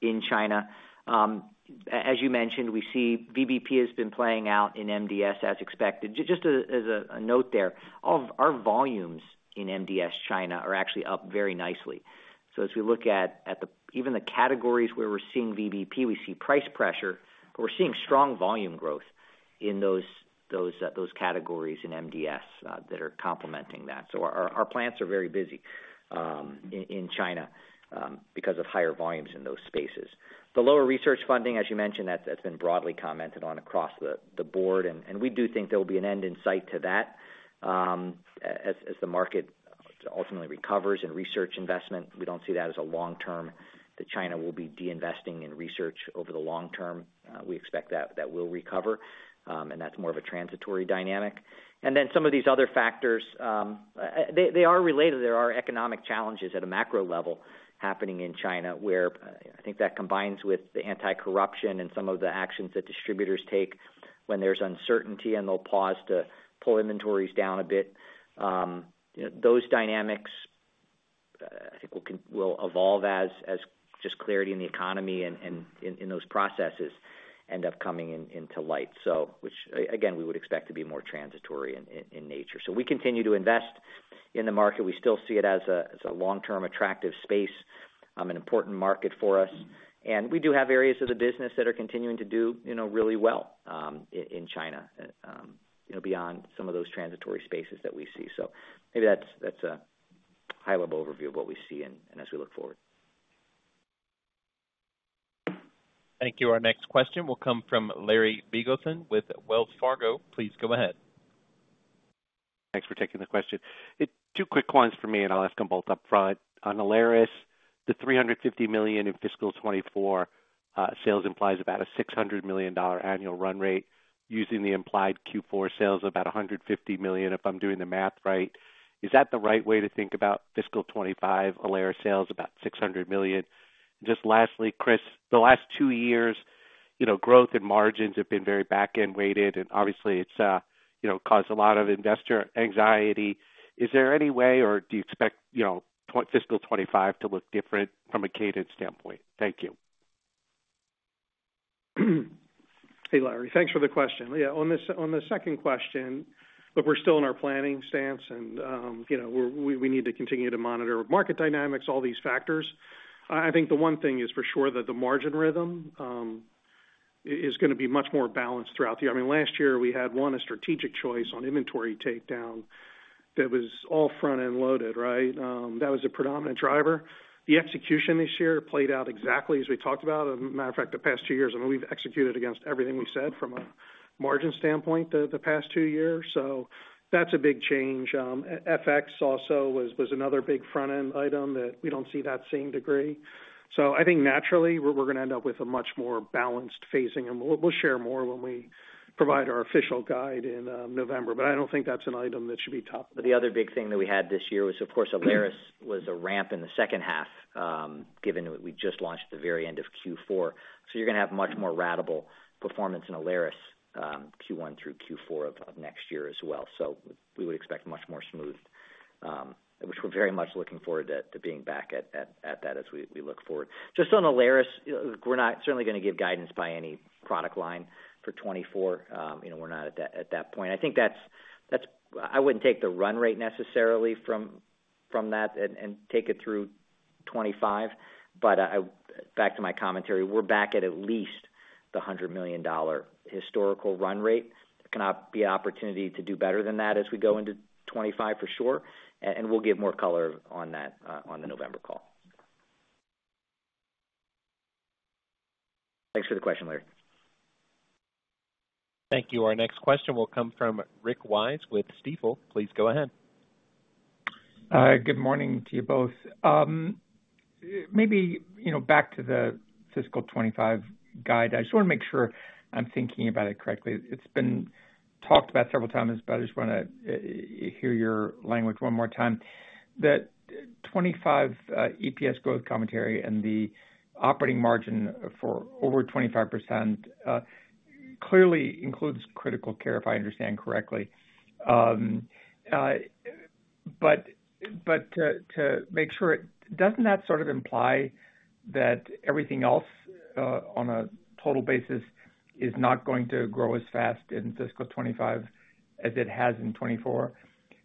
in China. As you mentioned, we see VBP has been playing out in MDS as expected. Just as a note there, all of our volumes in MDS China are actually up very nicely. So as we look at even the categories where we're seeing VBP, we see price pressure, but we're seeing strong volume growth in those categories in MDS that are complementing that. So our plants are very busy in China because of higher volumes in those spaces. The lower research funding, as you mentioned, that's been broadly commented on across the board, and we do think there will be an end in sight to that. As the market ultimately recovers in research investment, we don't see that as a long term, that China will be deinvesting in research over the long term. We expect that will recover, and that's more of a transitory dynamic. And then, some of these other factors, they are related. There are economic challenges at a macro level happening in China, where I think that combines with the anti-corruption and some of the actions that distributors take when there's uncertainty, and they'll pause to pull inventories down a bit. Those dynamics, I think will evolve as just clarity in the economy and in those processes end up coming into light. So, again, we would expect to be more transitory in nature. So we continue to invest in the market. We still see it as a long-term attractive space, an important market for us. And we do have areas of the business that are continuing to do, you know, really well in China, you know, beyond some of those transitory spaces that we see. So maybe that's a high-level overview of what we see and as we look forward. Thank you. Our next question will come from Larry Biegelsen with Wells Fargo. Please go ahead. Thanks for taking the question. Two quick ones for me, and I'll ask them both upfront. On Alaris, the $350 million in fiscal 2024 sales implies about a $600 million annual run rate, using the implied Q4 sales of about $150 million, if I'm doing the math right. Is that the right way to think about fiscal 2025 Alaris sales, about $600 million? Just lastly, Chris, the last 2 years, you know, growth and margins have been very back-end weighted, and obviously it's, you know, caused a lot of investor anxiety. Is there any way, or do you expect, you know, fiscal 2025 to look different from a cadence standpoint? Thank you. Hey, Larry. Thanks for the question. Yeah, on the second question, look, we're still in our planning stance, and, you know, we need to continue to monitor market dynamics, all these factors. I think the one thing is for sure, that the margin rhythm is gonna be much more balanced throughout the year. I mean, last year we had a strategic choice on inventory takedown that was all front-end loaded, right? That was a predominant driver. The execution this year played out exactly as we talked about. As a matter of fact, the past two years, I mean, we've executed against everything we said from a margin standpoint, the past two years. So that's a big change. FX also was another big front-end item that we don't see that same degree. So I think naturally, we're gonna end up with a much more balanced phasing, and we'll share more when we provide our official guide in November. But I don't think that's an item that should be topped. But the other big thing that we had this year was, of course, Alaris was a ramp in the second half, given that we just launched at the very end of Q4. So you're gonna have much more ratable performance in Alaris, Q1 through Q4 of next year as well. So we would expect much more smooth, which we're very much looking forward to being back at that as we look forward. Just on Alaris, we're not certainly gonna give guidance by any product line for 2024. You know, we're not at that point. I think that's. I wouldn't take the run rate necessarily from that and take it through 2025, but back to my commentary, we're back at least the $100 million historical run rate. There can be an opportunity to do better than that as we go into 25, for sure, and we'll give more color on that, on the November call. Thanks for the question, Larry. Thank you. Our next question will come from Rick Wise with Stifel. Please go ahead. Good morning to you both. Maybe, you know, back to the. Fiscal 2025 guide, I just want to make sure I'm thinking about it correctly. It's been talked about several times, but I just want to hear your language one more time. That 2025 EPS growth commentary and the operating margin for over 25%, clearly includes Critical Care, if I understand correctly. But to make sure, doesn't that sort of imply that everything else on a total basis is not going to grow as fast in fiscal 2025 as it has in 2024?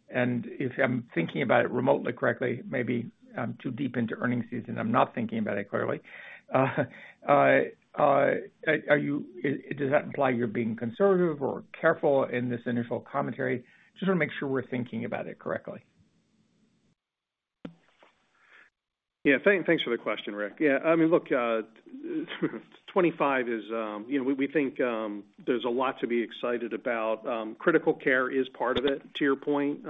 And if I'm thinking about it remotely correctly, maybe I'm too deep into earnings season, I'm not thinking about it clearly. Does that imply you're being conservative or careful in this initial commentary? Just wanna make sure we're thinking about it correctly. Yeah, thanks for the question, Rick. Yeah, I mean, look, 25 is, you know, we think there's a lot to be excited about. Critical care is part of it, to your point.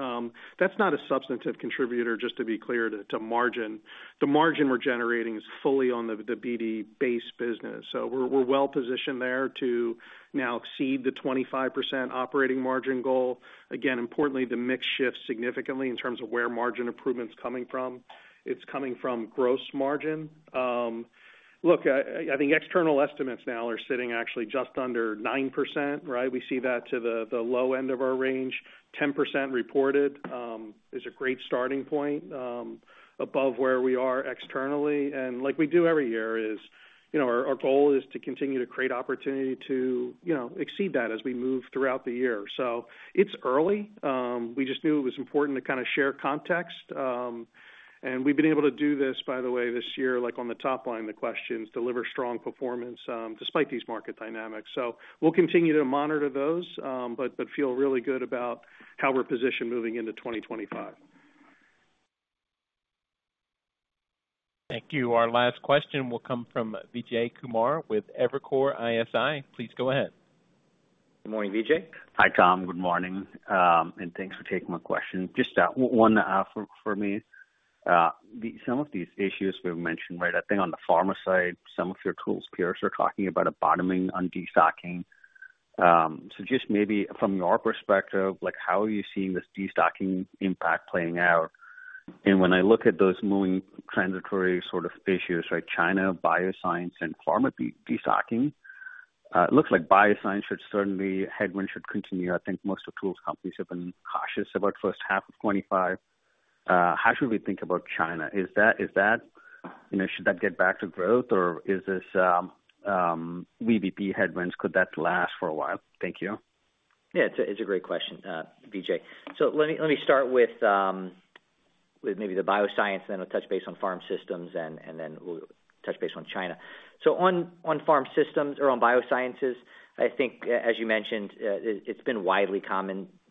That's not a substantive contributor, just to be clear, to margin. The margin we're generating is fully on the BD base business. So we're well positioned there to now exceed the 25% operating margin goal. Again, importantly, the mix shifts significantly in terms of where margin improvement's coming from. It's coming from gross margin. Look, I think external estimates now are sitting actually just under 9%, right? We see that to the low end of our range. 10% reported is a great starting point, above where we are externally. Like we do every year, you know, our goal is to continue to create opportunity to, you know, exceed that as we move throughout the year. So it's early. We just knew it was important to kind of share context. And we've been able to do this, by the way, this year, like on the top line, the questions, deliver strong performance, despite these market dynamics. So we'll continue to monitor those, but feel really good about how we're positioned moving into 2025. Thank you. Our last question will come from Vijay Kumar with Evercore ISI. Please go ahead. Good morning, Vijay. Hi, Tom. Good morning, and thanks for taking my question. Just one for me. Some of these issues we've mentioned, right? I think on the pharma side, some of your tools peers are talking about a bottoming on destocking. So just maybe from your perspective, like, how are you seeing this destocking impact playing out? And when I look at those moving transitory sort of issues, like China, Bioscience and pharma destocking, it looks like Bioscience should certainly headwind should continue. I think most of tools companies have been cautious about first half of 2025. How should we think about China? Is that, is that you know, should that get back to growth, or is this VBP headwinds? Could that last for a while? Thank you. Yeah, it's a great question, Vijay. So let me start with maybe the Biosciences, then I'll touch base on Pharm Systems, and then we'll touch base on China. So on Pharm Systems or on Biosciences, I think as you mentioned, it's been widely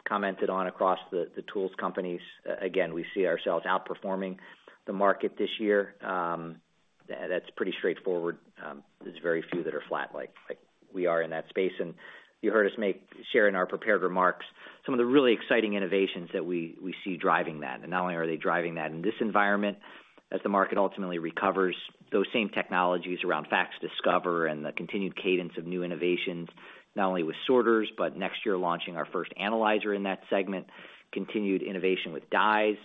commented on across the tools companies. Again, we see ourselves outperforming the market this year. That's pretty straightforward. There's very few that are flat like we are in that space. And you heard us share in our prepared remarks some of the really exciting innovations that we see driving that. And not only are they driving that in this environment, as the market ultimately recovers, those same technologies around FACSDiscover and the continued cadence of new innovations, not only with sorters, but next year, launching our first analyzer in that segment. Continued innovation with dyes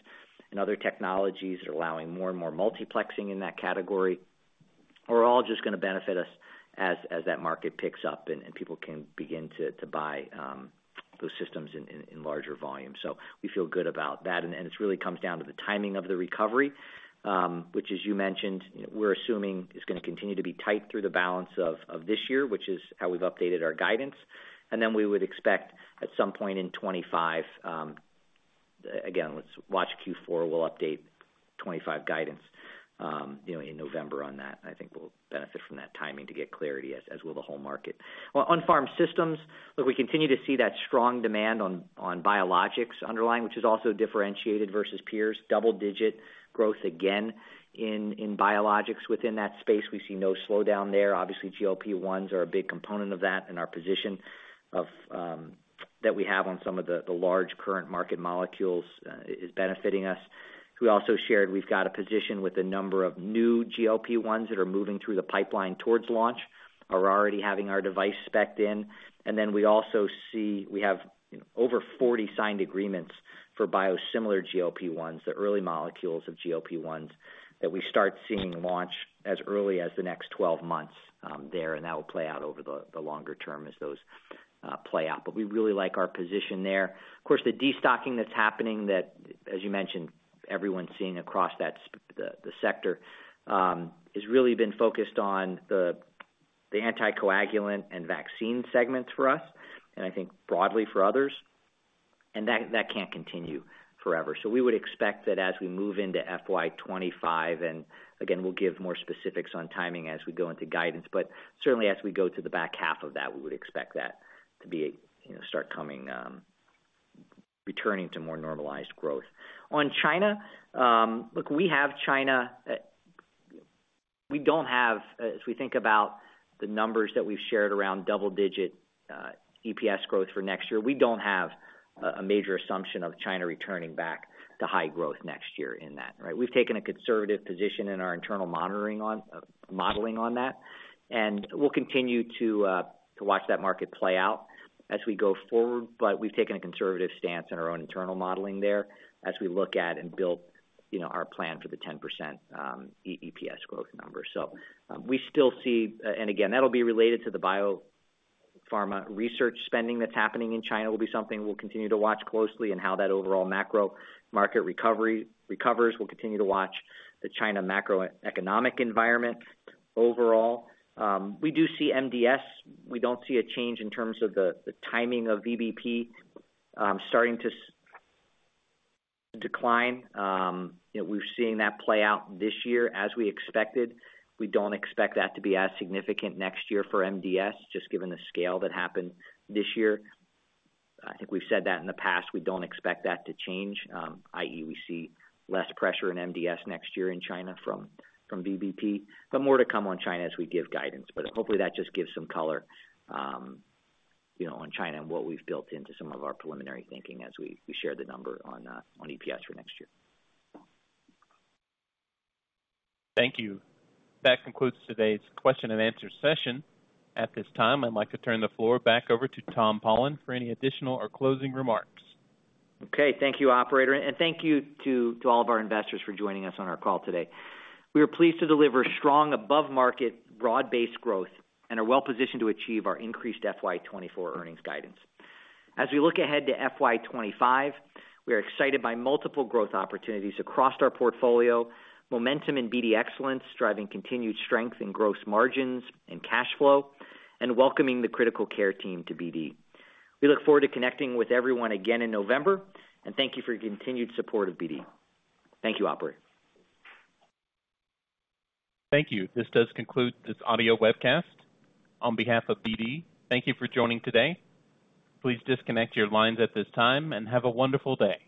and other technologies are allowing more and more multiplexing in that category, are all just gonna benefit us as that market picks up and people can begin to buy those systems in larger volumes. So we feel good about that, and it really comes down to the timing of the recovery, which, as you mentioned, we're assuming is gonna continue to be tight through the balance of this year, which is how we've updated our guidance. And then we would expect at some point in 2025... Again, let's watch Q4, we'll update 25 guidance, you know, in November on that. I think we'll benefit from that timing to get clarity, as will the whole market. Well, on Pharm Systems, look, we continue to see that strong demand on biologics underlying, which is also differentiated versus peers. Double-digit growth again in biologics within that space. We see no slowdown there. Obviously, GLP-1s are a big component of that, and our position of that we have on some of the large current market molecules, is benefiting us. We also shared we've got a position with a number of new GLP-1s that are moving through the pipeline towards launch, are already having our device spec'd in. And then we also see we have, you know, over 40 signed agreements for biosimilar GLP-1s, the early molecules of GLP-1s, that we start seeing launch as early as the next 12 months there, and that will play out over the longer term as those play out. But we really like our position there. Of course, the destocking that's happening that, as you mentioned, everyone's seeing across the sector has really been focused on the anticoagulant and vaccine segments for us, and I think broadly for others, and that can't continue forever. So we would expect that as we move into FY 2025, and again, we'll give more specifics on timing as we go into guidance, but certainly as we go to the back half of that, we would expect that to be, you know, start coming, returning to more normalized growth. On China, look, we have China, we don't have, as we think about the numbers that we've shared around double-digit EPS growth for next year, we don't have a major assumption of China returning back to high growth next year in that, right? We've taken a conservative position in our internal monitoring on modeling on that, and we'll continue to watch that market play out as we go forward. But we've taken a conservative stance in our own internal modeling there as we look at and build, you know, our plan for the 10% EPS growth number. So, we still see—and again, that'll be related to the biopharma research spending that's happening in China, will be something we'll continue to watch closely and how that overall macro market recovery recovers. We'll continue to watch the China macroeconomic environment overall. We do see MDS. We don't see a change in terms of the timing of VBP starting to decline. You know, we've seen that play out this year as we expected. We don't expect that to be as significant next year for MDS, just given the scale that happened this year. I think we've said that in the past. We don't expect that to change, i.e., we see less pressure in MDS next year in China from VBP, but more to come on China as we give guidance. But hopefully, that just gives some color, you know, on China and what we've built into some of our preliminary thinking as we share the number on EPS for next year. Thank you. That concludes today's question and answer session. At this time, I'd like to turn the floor back over to Tom Polen for any additional or closing remarks. Okay, thank you, operator, and thank you to all of our investors for joining us on our call today. We are pleased to deliver strong above-market, broad-based growth and are well positioned to achieve our increased FY 2024 earnings guidance. As we look ahead to FY 2025, we are excited by multiple growth opportunities across our portfolio, momentum in BD Excellence, driving continued strength in gross margins and cash flow, and welcoming the Critical Care team to BD. We look forward to connecting with everyone again in November, and thank you for your continued support of BD. Thank you, operator. Thank you. This does conclude this audio webcast. On behalf of BD, thank you for joining today. Please disconnect your lines at this time, and have a wonderful day.